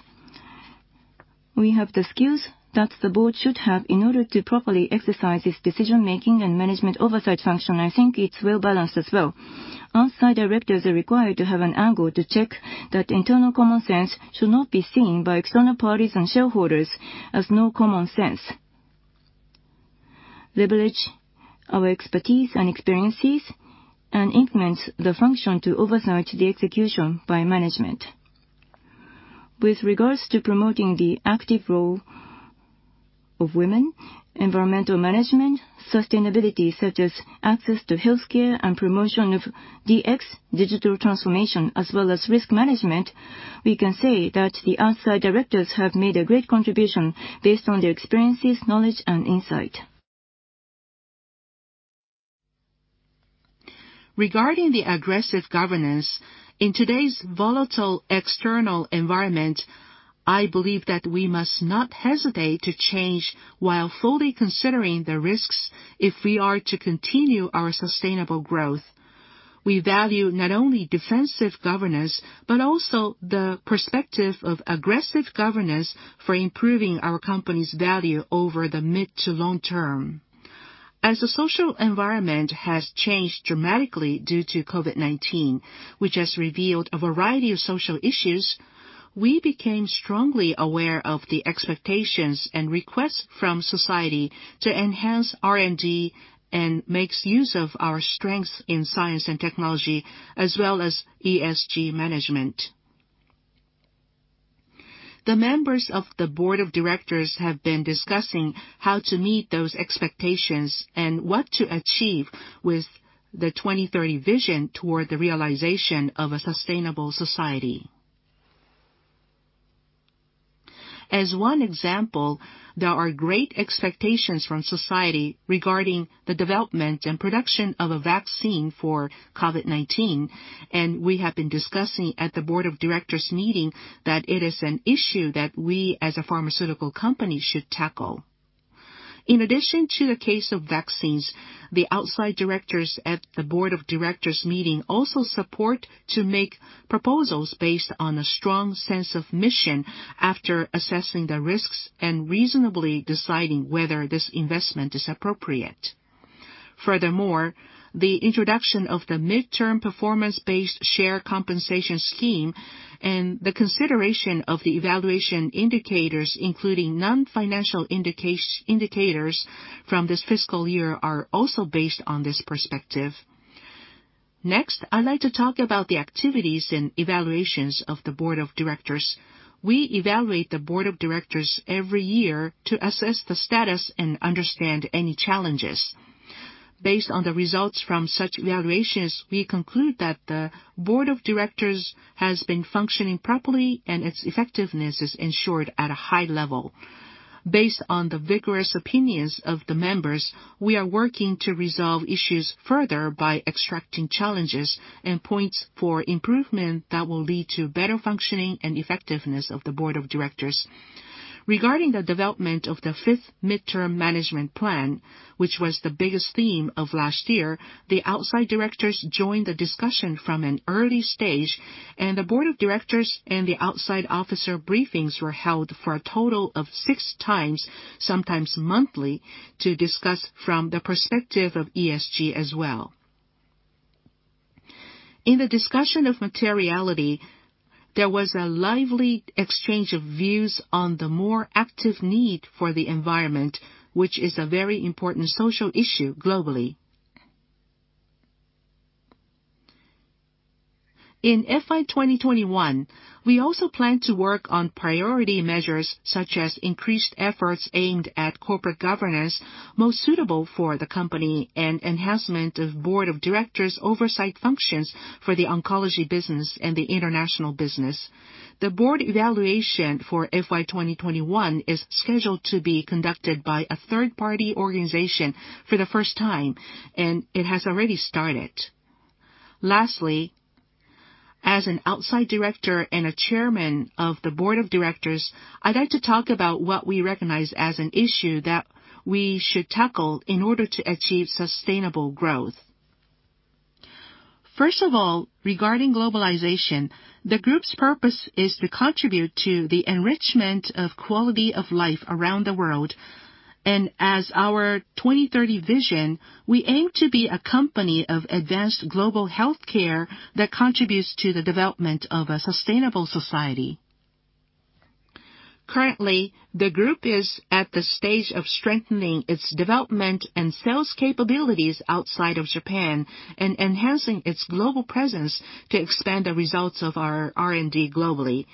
C: We have the skills that the board should have in order to properly exercise its decision-making and management oversight function. I think it's well-balanced as well. Outside directors are required to have an angle to check that internal common sense should not be seen by external parties and shareholders as no common sense, leverage our expertise and experiences, and increments the function to oversight the execution by management. With regards to promoting the active role of women, environmental management, sustainability, such as access to healthcare and promotion of DX, digital transformation, as well as risk management, we can say that the outside directors have made a great contribution based on their experiences, knowledge, and insight. Regarding the aggressive governance, in today's volatile external environment, I believe that we must not hesitate to change while fully considering the risks if we are to continue our sustainable growth. We value not only defensive governance, but also the perspective of aggressive governance for improving our company's value over the mid to long term. As the social environment has changed dramatically due to COVID-19, which has revealed a variety of social issues, we became strongly aware of the expectations and requests from society to enhance R&D and make use of our strengths in science and technology as well as ESG management. The members of the board of directors have been discussing how to meet those expectations and what to achieve with the 2030 vision toward the realization of a sustainable society. As one example, there are great expectations from society regarding the development and production of a vaccine for COVID-19, and we have been discussing at the board of directors meeting that it is an issue that we as a pharmaceutical company should tackle. In addition to the case of vaccines, the outside directors at the board of directors meeting also support to make proposals based on a strong sense of mission after assessing the risks and reasonably deciding whether this investment is appropriate. Furthermore, the introduction of the midterm performance-based share compensation scheme and the consideration of the evaluation indicators, including non-financial indicators from this fiscal year, are also based on this perspective. Next, I'd like to talk about the activities and evaluations of the board of directors. We evaluate the board of directors every year to assess the status and understand any challenges. Based on the results from such evaluations, we conclude that the board of directors has been functioning properly, and its effectiveness is ensured at a high level. Based on the vigorous opinions of the members, we are working to resolve issues further by extracting challenges and points for improvement that will lead to better functioning and effectiveness of the board of directors. Regarding the development of the fifth midterm management plan, which was the biggest theme of last year, the outside directors joined the discussion from an early stage, and the board of directors and the outside officer briefings were held for a total of six times, sometimes monthly, to discuss from the perspective of ESG as well. In the discussion of materiality, there was a lively exchange of views on the more active need for the environment, which is a very important social issue globally. In FY 2021, we also plan to work on priority measures such as increased efforts aimed at corporate governance most suitable for the company and enhancement of Board of Directors' oversight functions for the oncology business and the international business. The board evaluation for FY 2021 is scheduled to be conducted by a third-party organization for the first time, and it has already started. Lastly, as an Outside Director and a Chairman of the Board of Directors, I'd like to talk about what we recognize as an issue that we should tackle in order to achieve sustainable growth. First of all, regarding globalization, the group's purpose is to contribute to the enrichment of quality of life around the world. As our 2030 Vision, we aim to be a company of advanced global healthcare that contributes to the development of a sustainable society. Currently, the group is at the stage of strengthening its development and sales capabilities outside of Japan and enhancing its global presence to expand the results of our R&D globally.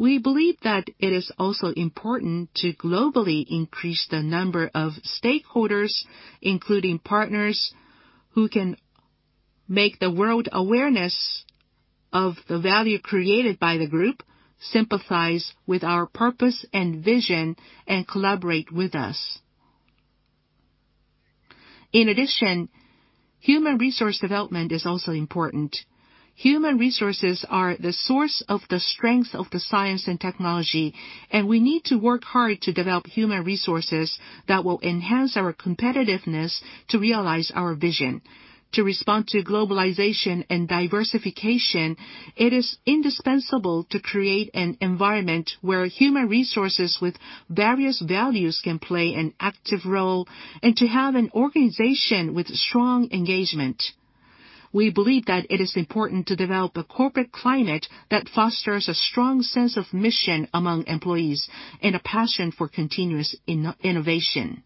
C: We believe that it is also important to globally increase the number of stakeholders, including partners, who can make the world aware of the value created by the group, sympathize with our purpose and vision, and collaborate with us. In addition, human resource development is also important. Human resources are the source of the strength of the science and technology, and we need to work hard to develop human resources that will enhance our competitiveness to realize our vision. To respond to globalization and diversification, it is indispensable to create an environment where human resources with various values can play an active role and to have an organization with strong engagement. We believe that it is important to develop a corporate climate that fosters a strong sense of mission among employees and a passion for continuous innovation.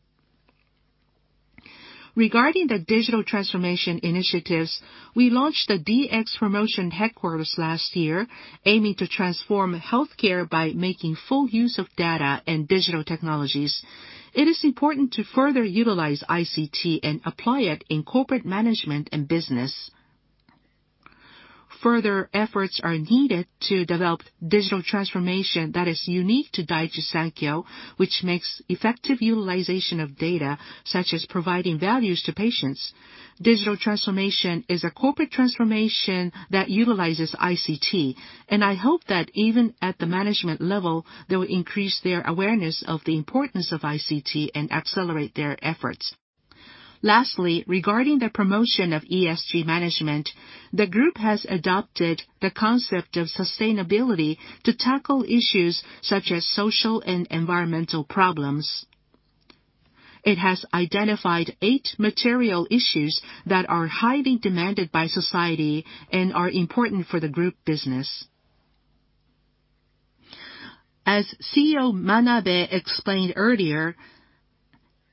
C: Regarding the digital transformation initiatives, we launched the DX Promotion Headquarters last year, aiming to transform healthcare by making full use of data and digital technologies. It is important to further utilize ICT and apply it in corporate management and business. Further efforts are needed to develop digital transformation that is unique to Daiichi Sankyo, which makes effective utilization of data, such as providing values to patients. Digital transformation is a corporate transformation that utilizes ICT, and I hope that even at the management level, they will increase their awareness of the importance of ICT and accelerate their efforts. Lastly, regarding the promotion of ESG management, the group has adopted the concept of sustainability to tackle issues such as social and environmental problems. It has identified eight material issues that are highly demanded by society and are important for the group business. As CEO Manabe explained earlier,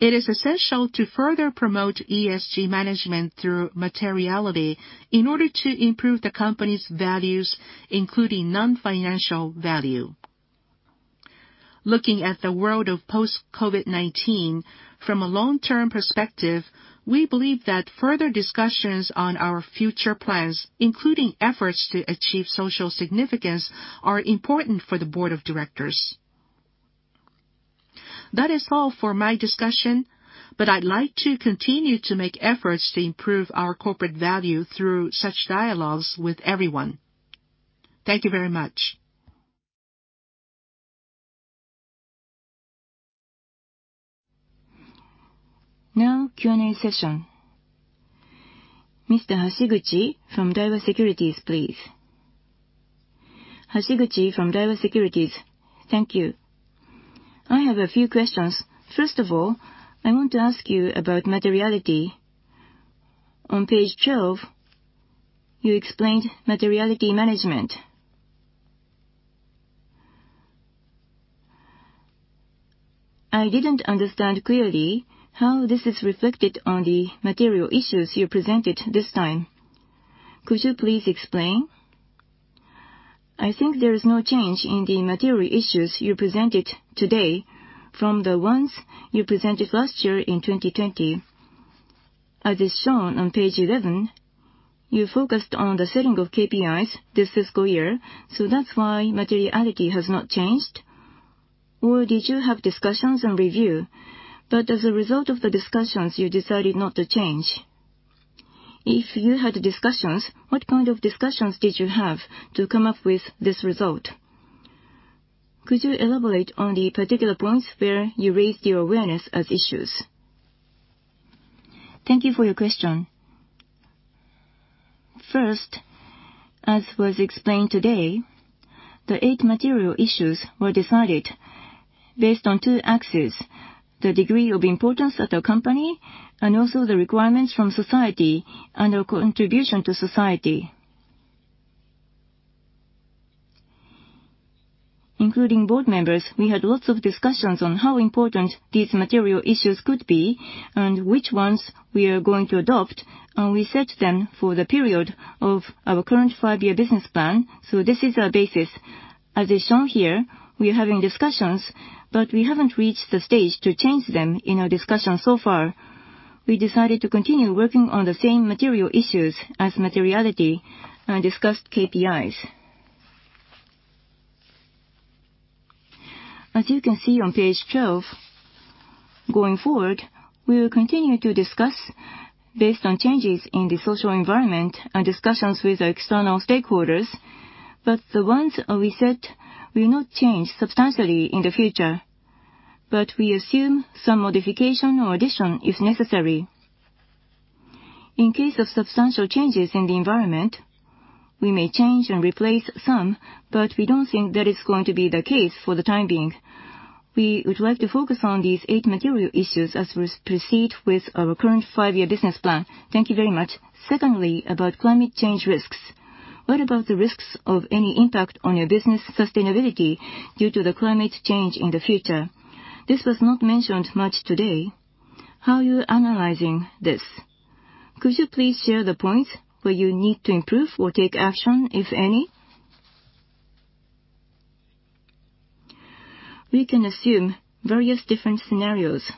C: it is essential to further promote ESG management through materiality in order to improve the company's values, including non-financial value. Looking at the world of post-COVID-19 from a long-term perspective, we believe that further discussions on our future plans, including efforts to achieve social significance, are important for the board of directors. That is all for my discussion, but I'd like to continue to make efforts to improve our corporate value through such dialogues with everyone. Thank you very much.
A: Now Q&A session. Mr. Hashiguchi from Daiwa Securities, please.
D: Hashiguchi from Daiwa Securities. Thank you. I have a few questions. First of all, I want to ask you about materiality. On page 12, you explained materiality management. I didn't understand clearly how this is reflected on the material issues you presented this time. Could you please explain? I think there is no change in the material issues you presented today from the ones you presented last year in 2020. As is shown on page 11, you focused on the setting of KPIs this fiscal year, so that's why materiality has not changed. Or did you have discussions and review, but as a result of the discussions, you decided not to change? If you had discussions, what kind of discussions did you have to come up with this result? Could you elaborate on the particular points where you raised your awareness as issues?
B: Thank you for your question. First, as was explained today, the eight material issues were decided based on two axes, the degree of importance at our company and also the requirements from society and our contribution to society. Including board members, we had lots of discussions on how important these material issues could be and which ones we are going to adopt, and we set them for the period of our current five-year business plan. This is our basis. As is shown here, we are having discussions, but we haven't reached the stage to change them in our discussion so far. We decided to continue working on the same material issues as materiality and discussed KPIs. As you can see on page 12, going forward, we will continue to discuss based on changes in the social environment and discussions with our external stakeholders, but the ones we set will not change substantially in the future. We assume some modification or addition is necessary. In case of substantial changes in the environment, we may change and replace some, but we don't think that is going to be the case for the time being. We would like to focus on these eight material issues as we proceed with our current five-year business plan.
D: Thank you very much. Secondly, about climate change risks. What about the risks of any impact on your business sustainability due to the climate change in the future? This was not mentioned much today. How are you analyzing this? Could you please share the points where you need to improve or take action, if any?
B: We can assume various different scenarios.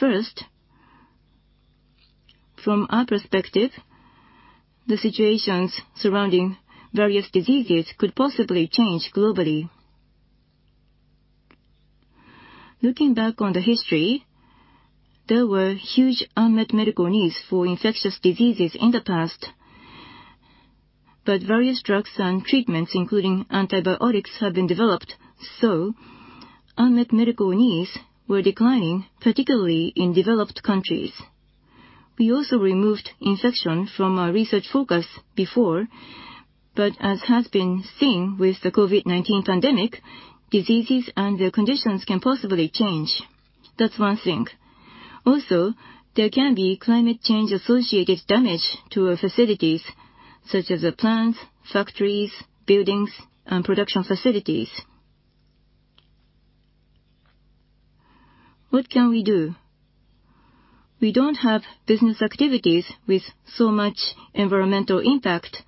B: First, from our perspective, the situations surrounding various diseases could possibly change globally. Looking back on the history, there were huge unmet medical needs for infectious diseases in the past. Various drugs and treatments, including antibiotics, have been developed, so unmet medical needs were declining, particularly in developed countries. We also removed infection from our research focus before, but as has been seen with the COVID-19 pandemic, diseases and their conditions can possibly change. That's one thing. Also, there can be climate change-associated damage to our facilities, such as the plants, factories, buildings, and production facilities. What can we do? We don't have business activities with so much environmental impact,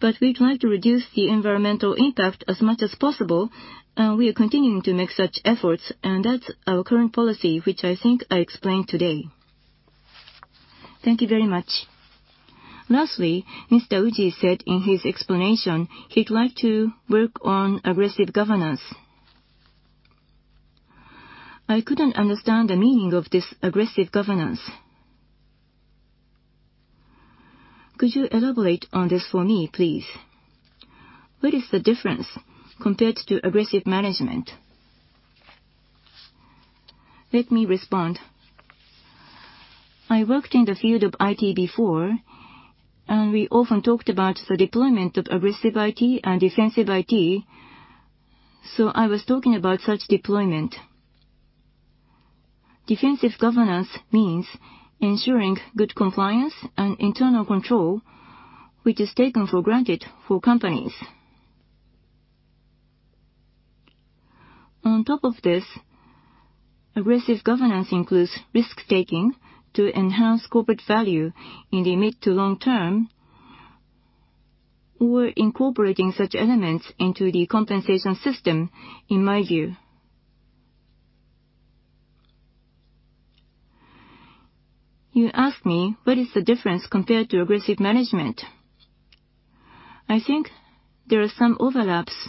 B: but we'd like to reduce the environmental impact as much as possible, and we are continuing to make such efforts, and that's our current policy, which I think I explained today.
D: Thank you very much. Lastly, Mr. Uji said in his explanation he'd like to work on aggressive governance. I couldn't understand the meaning of this aggressive governance. Could you elaborate on this for me, please? What is the difference compared to aggressive management?
C: Let me respond. I worked in the field of IT before, and we often talked about the deployment of aggressive IT and defensive IT, so I was talking about such deployment. Defensive governance means ensuring good compliance and internal control, which is taken for granted for companies. On top of this, aggressive governance includes risk-taking to enhance corporate value in the mid to long-term or incorporating such elements into the compensation system, in my view. You asked me what is the difference compared to aggressive management. I think there are some overlaps,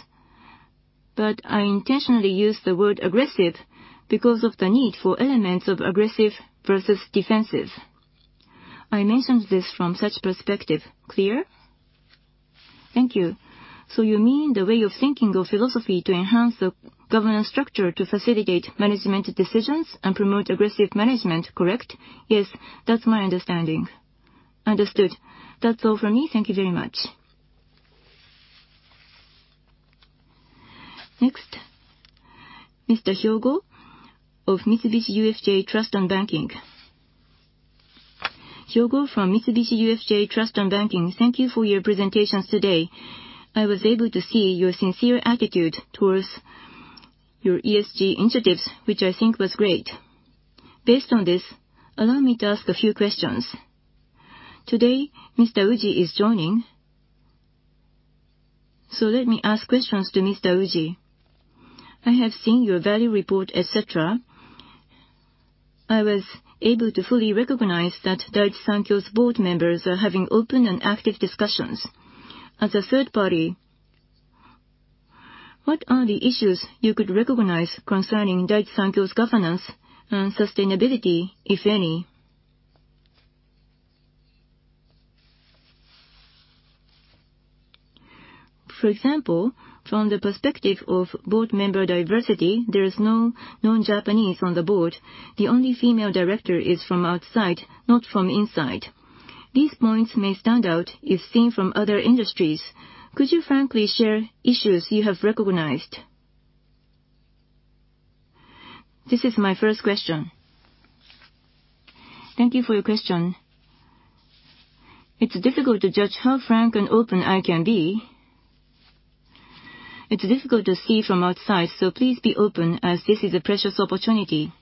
C: but I intentionally use the word aggressive because of the need for elements of aggressive versus defensive. I mentioned this from such perspective. Clear?
D: Thank you. You mean the way of thinking or philosophy to enhance the governance structure to facilitate management decisions and promote aggressive management, correct?
C: Yes, that's my understanding.
D: Understood. That's all from me. Thank you very much.
A: Next, Mr. Hyogo of Mitsubishi UFJ Trust and Banking.
E: Hyogo from Mitsubishi UFJ Trust and Banking. Thank you for your presentations today. I was able to see your sincere attitude towards your ESG initiatives, which I think was great. Based on this, allow me to ask a few questions. Today, Mr. Uji is joining, so let me ask questions to Mr. Uji. I have seen your value report, et cetera. I was able to fully recognize that Daiichi Sankyo's board members are having open and active discussions. As a third party, what are the issues you could recognize concerning Daiichi Sankyo's governance and sustainability, if any? For example, from the perspective of board member diversity, there is no non-Japanese on the board. The only female director is from outside, not from inside. These points may stand out if seen from other industries. Could you frankly share issues you have recognized? This is my first question.
C: Thank you for your question. It's difficult to judge how frank and open I can be. It's difficult to see from outside, so please be open as this is a precious opportunity.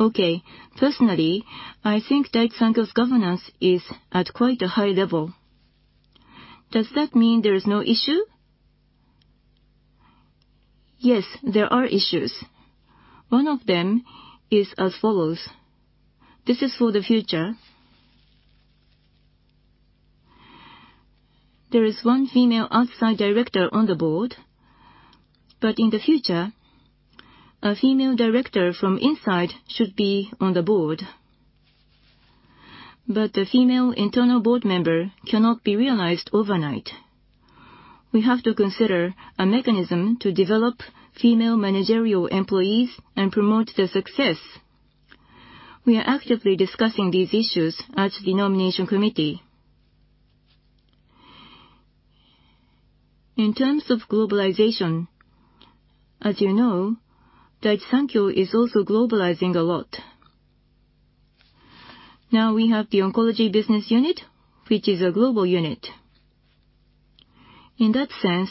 E: Okay. Personally, I think Daiichi Sankyo's governance is at quite a high level. Does that mean there is no issue?
C: Yes, there are issues. One of them is as follows. This is for the future. There is one female outside director on the board, but in the future, a female director from inside should be on the board. But the female internal board member cannot be realized overnight. We have to consider a mechanism to develop female managerial employees and promote their success. We are actively discussing these issues at the nomination committee. In terms of globalization, as you know, Daiichi Sankyo is also globalizing a lot. Now we have the oncology business unit, which is a global unit. In that sense,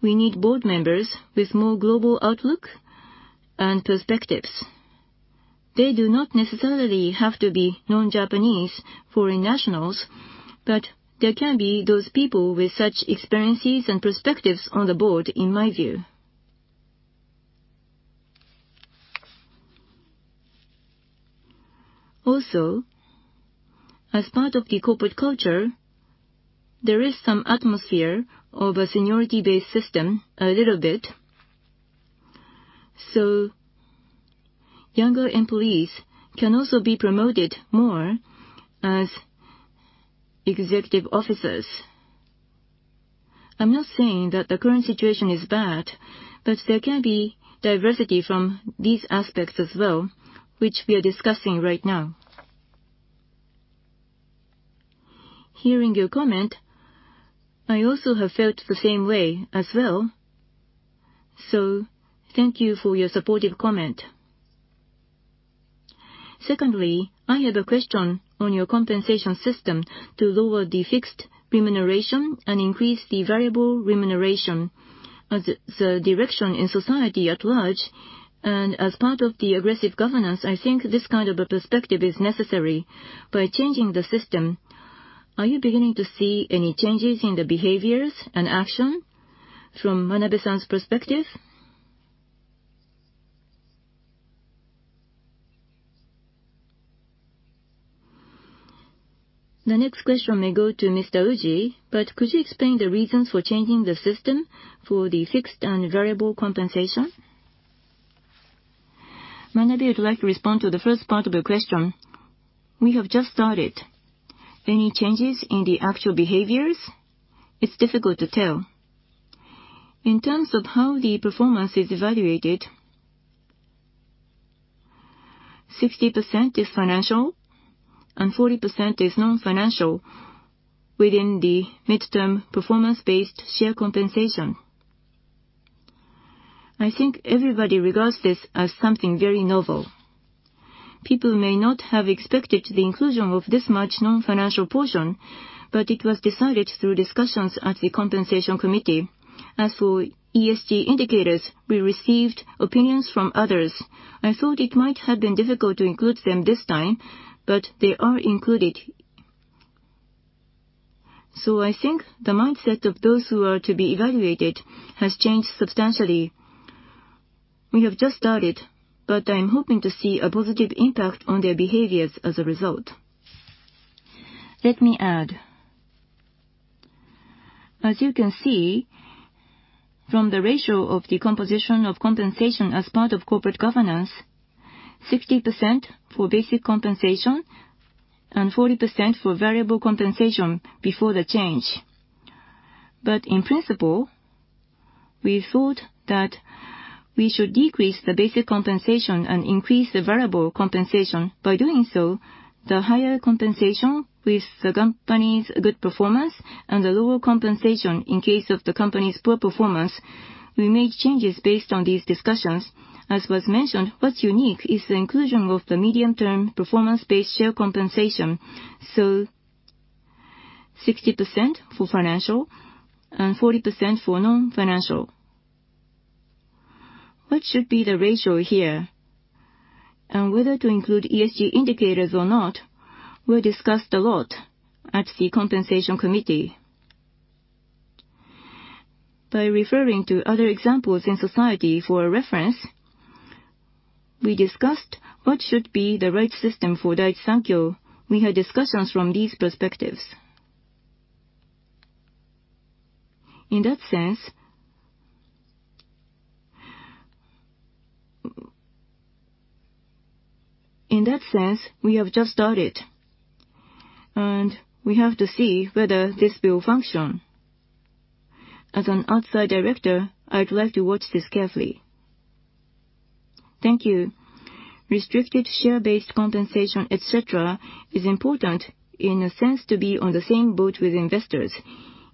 C: we need board members with more global outlook and perspectives. They do not necessarily have to be non-Japanese foreign nationals, but there can be those people with such experiences and perspectives on the board, in my view. Also, as part of the corporate culture, there is some atmosphere of a seniority-based system, a little bit. Younger employees can also be promoted more as executive officers. I'm not saying that the current situation is bad, but there can be diversity from these aspects as well, which we are discussing right now. Hearing your comment, I also have felt the same way as well, so thank you for your supportive comment.
E: Secondly, I have a question on your compensation system to lower the fixed remuneration and increase the variable remuneration as the direction in society at large. As part of the aggressive governance, I think this kind of a perspective is necessary. By changing the system, are you beginning to see any changes in the behaviors and action from Manabe-san's perspective? The next question may go to Mr. Uji, but could you explain the reasons for changing the system for the fixed and variable compensation?
C: Manabe would like to respond to the first part of your question.
B: We have just started. Any changes in the actual behaviors, it's difficult to tell. In terms of how the performance is evaluated, 60% is financial and 40% is non-financial within the midterm performance-based share compensation. I think everybody regards this as something very novel. People may not have expected the inclusion of this much non-financial portion, but it was decided through discussions at the compensation committee. As for ESG indicators, we received opinions from others. I thought it might have been difficult to include them this time, but they are included. I think the mindset of those who are to be evaluated has changed substantially. We have just started, but I'm hoping to see a positive impact on their behaviors as a result. Let me add. As you can see from the ratio of the composition of compensation as part of corporate governance, 60% for basic compensation and 40% for variable compensation before the change. In principle, we thought that we should decrease the basic compensation and increase the variable compensation. By doing so, the higher compensation with the company's good performance and the lower compensation in case of the company's poor performance. We made changes based on these discussions.
E: As was mentioned, what's unique is the inclusion of the medium-term performance-based share compensation. 60% for financial and 40% for non-financial. What should be the ratio here?
C: Whether to include ESG indicators or not were discussed a lot at the compensation committee. By referring to other examples in society for a reference, we discussed what should be the right system for Daiichi Sankyo. We had discussions from these perspectives. In that sense, we have just started, and we have to see whether this will function. As an outside director, I'd like to watch this carefully.
E: Thank you. Restricted share-based compensation, et cetera, is important in a sense to be on the same boat with investors.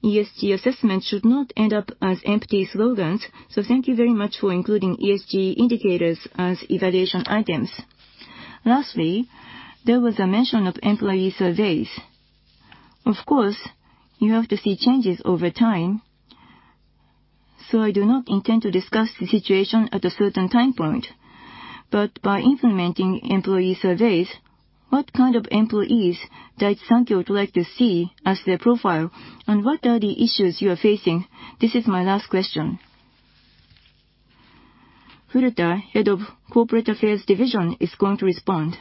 E: ESG assessment should not end up as empty slogans, so thank you very much for including ESG indicators as evaluation items. Lastly, there was a mention of employee surveys. Of course, you have to see changes over time, so I do not intend to discuss the situation at a certain time point. By implementing employee surveys, what kind of employees Daiichi Sankyo would like to see as their profile, and what are the issues you are facing? This is my last question.
A: Furuta, Head of Corporate Affairs Unit, is going to respond.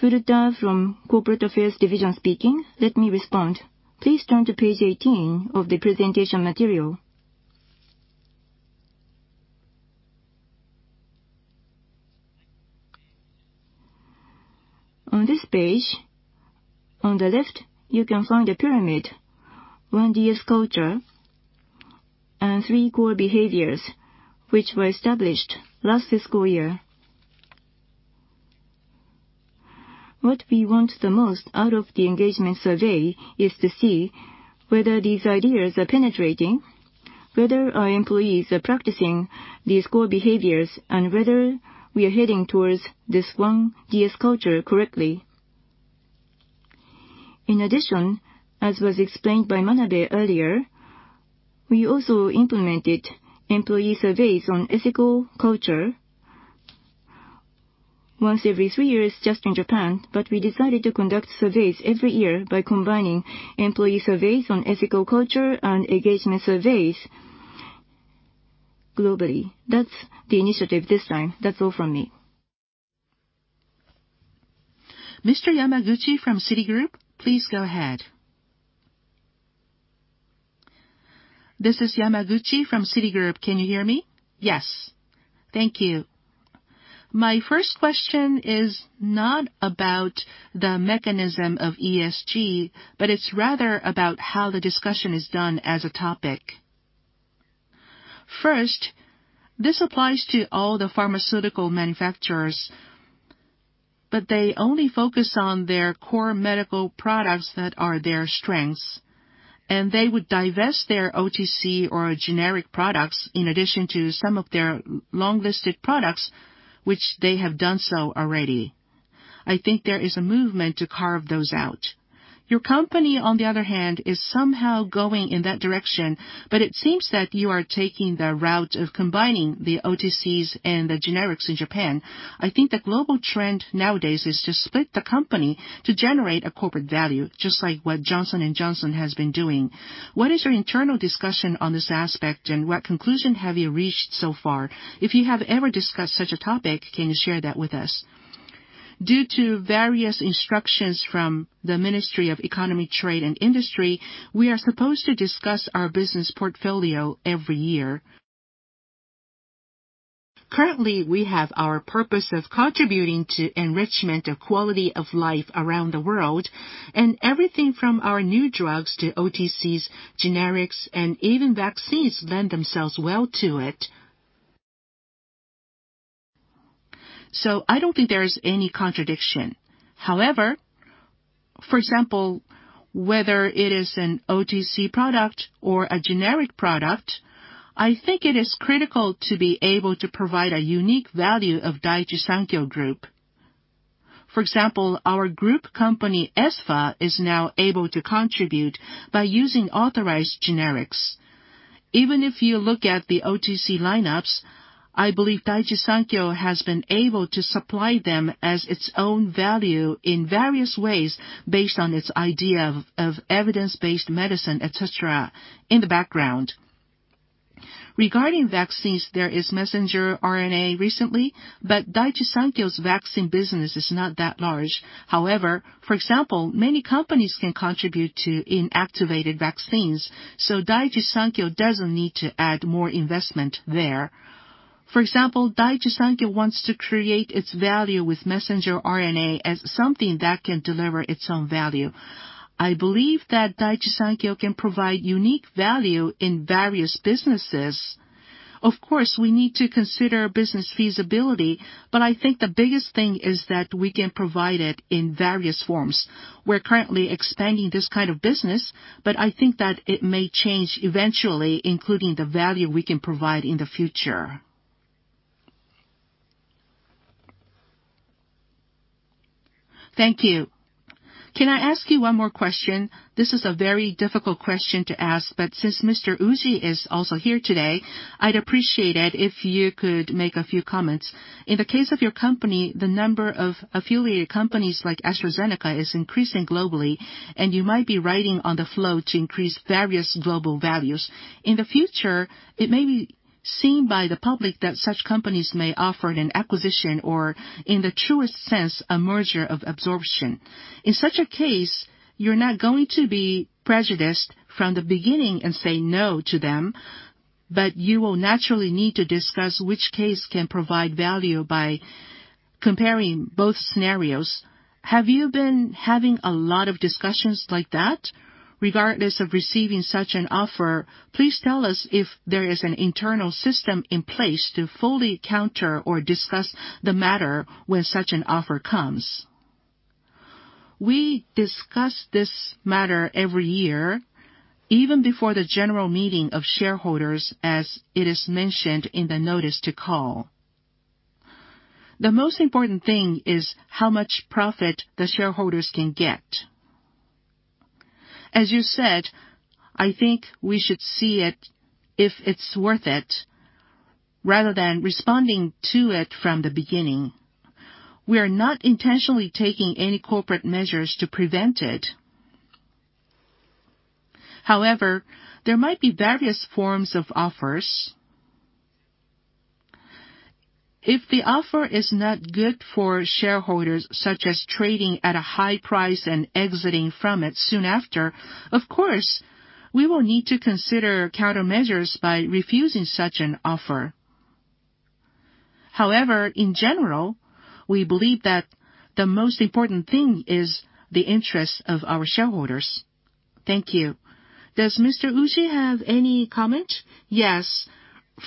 F: Furuta from Corporate Affairs Unit speaking. Let me respond. Please turn to page 18 of the presentation material. On this page, on the left, you can find a pyramid, One DS Culture and Three Core Behaviors, which were established last fiscal year. What we want the most out of the engagement survey is to see whether these ideas are penetrating, whether our employees are practicing these core behaviors, and whether we are heading towards this One DS Culture correctly. In addition, as was explained by Manabe earlier, we also implemented employee surveys on ethical culture once every three years just in Japan, but we decided to conduct surveys every year by combining employee surveys on ethical culture and engagement surveys globally. That's the initiative this time. That's all from me.
A: Mr. Yamaguchi from Citigroup, please go ahead.
G: This is Yamaguchi from Citigroup. Can you hear me?
A: Yes.
G: Thank you. My first question is not about the mechanism of ESG, but it's rather about how the discussion is done as a topic. First, this applies to all the pharmaceutical manufacturers, but they only focus on their core medical products that are their strengths, and they would divest their OTC or generic products in addition to some of their long-listed products which they have done so already. I think there is a movement to carve those out. Your company, on the other hand, is somehow going in that direction, but it seems that you are taking the route of combining the OTCs and the generics in Japan. I think the global trend nowadays is to split the company to generate a corporate value, just like what Johnson & Johnson has been doing. What is your internal discussion on this aspect, and what conclusion have you reached so far? If you have ever discussed such a topic, can you share that with us?
B: Due to various instructions from the Ministry of Economy, Trade, and Industry, we are supposed to discuss our business portfolio every year. Currently, we have our purpose of contributing to enrichment of quality of life around the world, and everything from our new drugs to OTCs, generics, and even vaccines lend themselves well to it. I don't think there is any contradiction. However, for example, whether it is an OTC product or a generic product, I think it is critical to be able to provide a unique value of Daiichi Sankyo Group. For example, our group company, Espha, is now able to contribute by using authorized generics. Even if you look at the OTC lineups, I believe Daiichi Sankyo has been able to supply them as its own value in various ways based on its idea of evidence-based medicine, et cetera, in the background. Regarding vaccines, there is messenger RNA recently, but Daiichi Sankyo's vaccine business is not that large. However, for example, many companies can contribute to inactivated vaccines, so Daiichi Sankyo doesn't need to add more investment there. For example, Daiichi Sankyo wants to create its value with messenger RNA as something that can deliver its own value. I believe that Daiichi Sankyo can provide unique value in various businesses. Of course, we need to consider business feasibility, but I think the biggest thing is that we can provide it in various forms. We're currently expanding this kind of business, but I think that it may change eventually, including the value we can provide in the future.
G: Thank you. Can I ask you one more question? This is a very difficult question to ask, but since Mr. Uji is also here today, I'd appreciate it if you could make a few comments. In the case of your company, the number of affiliate companies like AstraZeneca is increasing globally, and you might be riding on the flow to increase various global values. In the future, it may be seen by the public that such companies may offer an acquisition or, in the truest sense, a merger of absorption. In such a case, you're not going to be prejudiced from the beginning and say no to them, but you will naturally need to discuss which case can provide value by comparing both scenarios. Have you been having a lot of discussions like that? Regardless of receiving such an offer, please tell us if there is an internal system in place to fully counter or discuss the matter when such an offer comes.
B: We discuss this matter every year, even before the general meeting of shareholders, as it is mentioned in the notice to call. The most important thing is how much profit the shareholders can get. As you said, I think we should see it if it's worth it, rather than responding to it from the beginning. We are not intentionally taking any corporate measures to prevent it. However, there might be various forms of offers. If the offer is not good for shareholders, such as trading at a high price and exiting from it soon after, of course, we will need to consider countermeasures by refusing such an offer. However, in general, we believe that the most important thing is the interest of our shareholders.
G: Thank you. Does Mr. Uji have any comment?
C: Yes.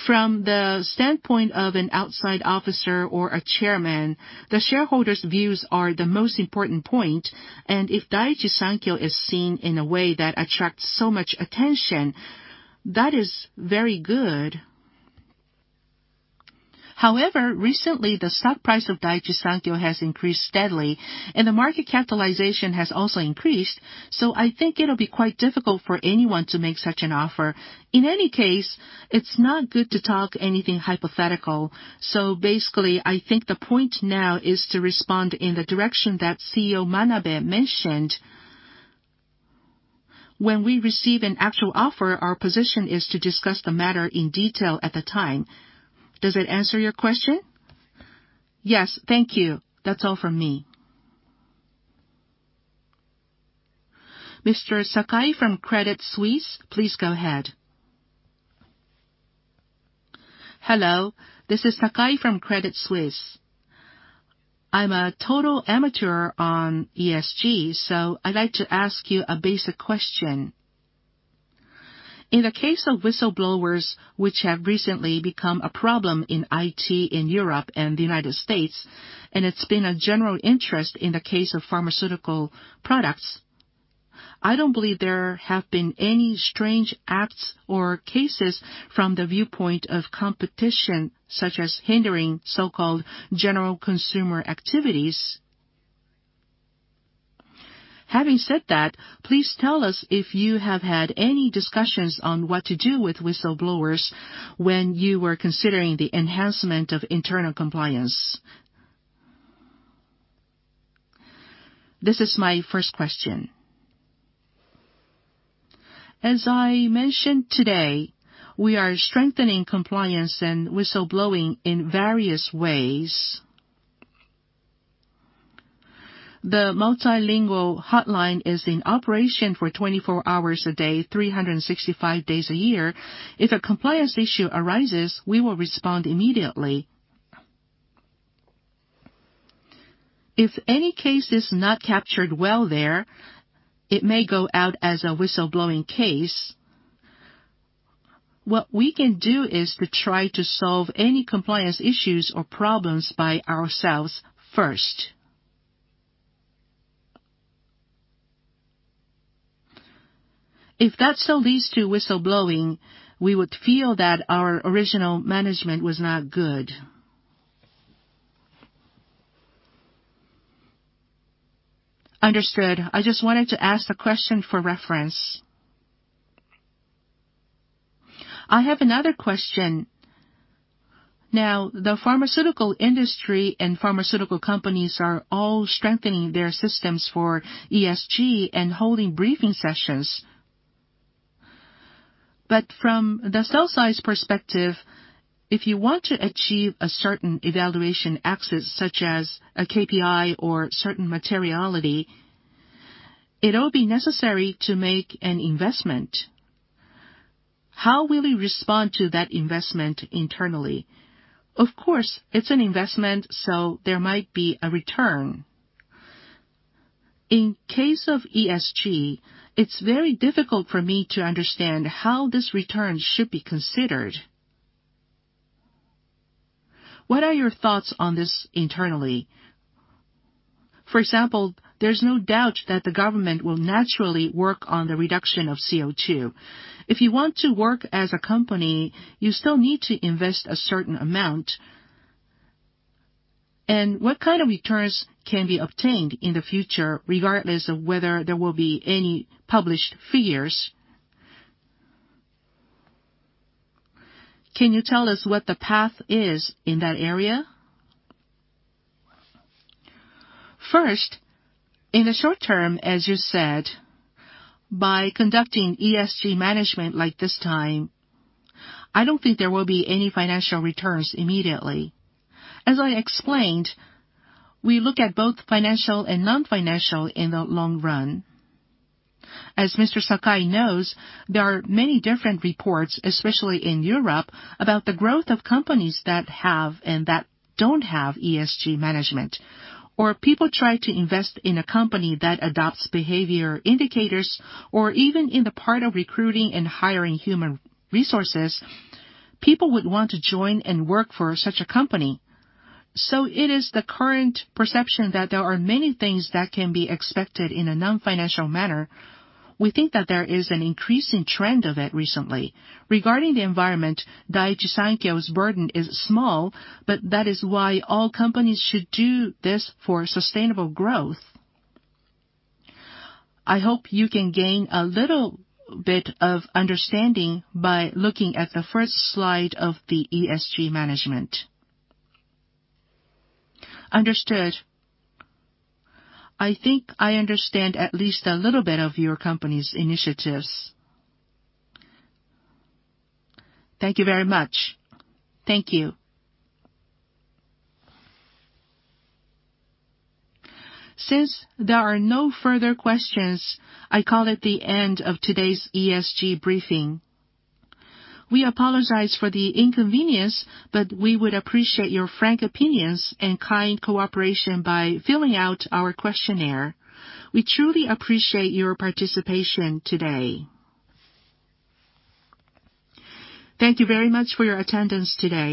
C: From the standpoint of an outside director or a chairman, the shareholders' views are the most important point, and if Daiichi Sankyo is seen in a way that attracts so much attention, that is very good. However, recently, the stock price of Daiichi Sankyo has increased steadily, and the market capitalization has also increased, so I think it'll be quite difficult for anyone to make such an offer. In any case, it's not good to talk anything hypothetical. Basically, I think the point now is to respond in the direction that CEO Manabe mentioned. When we receive an actual offer, our position is to discuss the matter in detail at the time. Does that answer your question?
G: Yes. Thank you. That's all from me.
A: Mr. Sakai from Credit Suisse, please go ahead.
H: Hello. This is Sakai from Credit Suisse. I'm a total amateur on ESG, so I'd like to ask you a basic question. In the case of whistleblowers, which have recently become a problem in IT in Europe and the United States, and it's been a general interest in the case of pharmaceutical products, I don't believe there have been any strange acts or cases from the viewpoint of competition, such as hindering so-called general consumer activities. Having said that, please tell us if you have had any discussions on what to do with whistleblowers when you were considering the enhancement of internal compliance. This is my first question.
B: As I mentioned today, we are strengthening compliance and whistleblowing in various ways. The multilingual hotline is in operation for 24 hours a day, 365 days a year. If a compliance issue arises, we will respond immediately. If any case is not captured well there, it may go out as a whistleblowing case. What we can do is to try to solve any compliance issues or problems by ourselves first. If that still leads to whistleblowing, we would feel that our original management was not good.
H: Understood. I just wanted to ask the question for reference. I have another question. Now the pharmaceutical industry and pharmaceutical companies are all strengthening their systems for ESG and holding briefing sessions. But from the sell side's perspective, if you want to achieve a certain evaluation axis, such as a KPI or certain materiality, it'll be necessary to make an investment. How will you respond to that investment internally? Of course, it's an investment, so there might be a return. In case of ESG, it's very difficult for me to understand how this return should be considered. What are your thoughts on this internally? For example, there's no doubt that the government will naturally work on the reduction of CO2. If you want to work as a company, you still need to invest a certain amount. What kind of returns can be obtained in the future, regardless of whether there will be any published figures? Can you tell us what the path is in that area?
B: First, in the short term, as you said, by conducting ESG management like this time, I don't think there will be any financial returns immediately. As I explained, we look at both financial and non-financial in the long run. As Mr. Sakai knows, there are many different reports, especially in Europe, about the growth of companies that have and that don't have ESG management. People try to invest in a company that adopts behavior indicators or even in the part of recruiting and hiring human resources, people would want to join and work for such a company. It is the current perception that there are many things that can be expected in a non-financial manner. We think that there is an increasing trend of it recently. Regarding the environment, Daiichi Sankyo's burden is small, but that is why all companies should do this for sustainable growth. I hope you can gain a little bit of understanding by looking at the first slide of the ESG management.
H: Understood. I think I understand at least a little bit of your company's initiatives. Thank you very much.
B: Thank you.
A: Since there are no further questions, I call it the end of today's ESG briefing. We apologize for the inconvenience, but we would appreciate your frank opinions and kind cooperation by filling out our questionnaire. We truly appreciate your participation today. Thank you very much for your attendance today.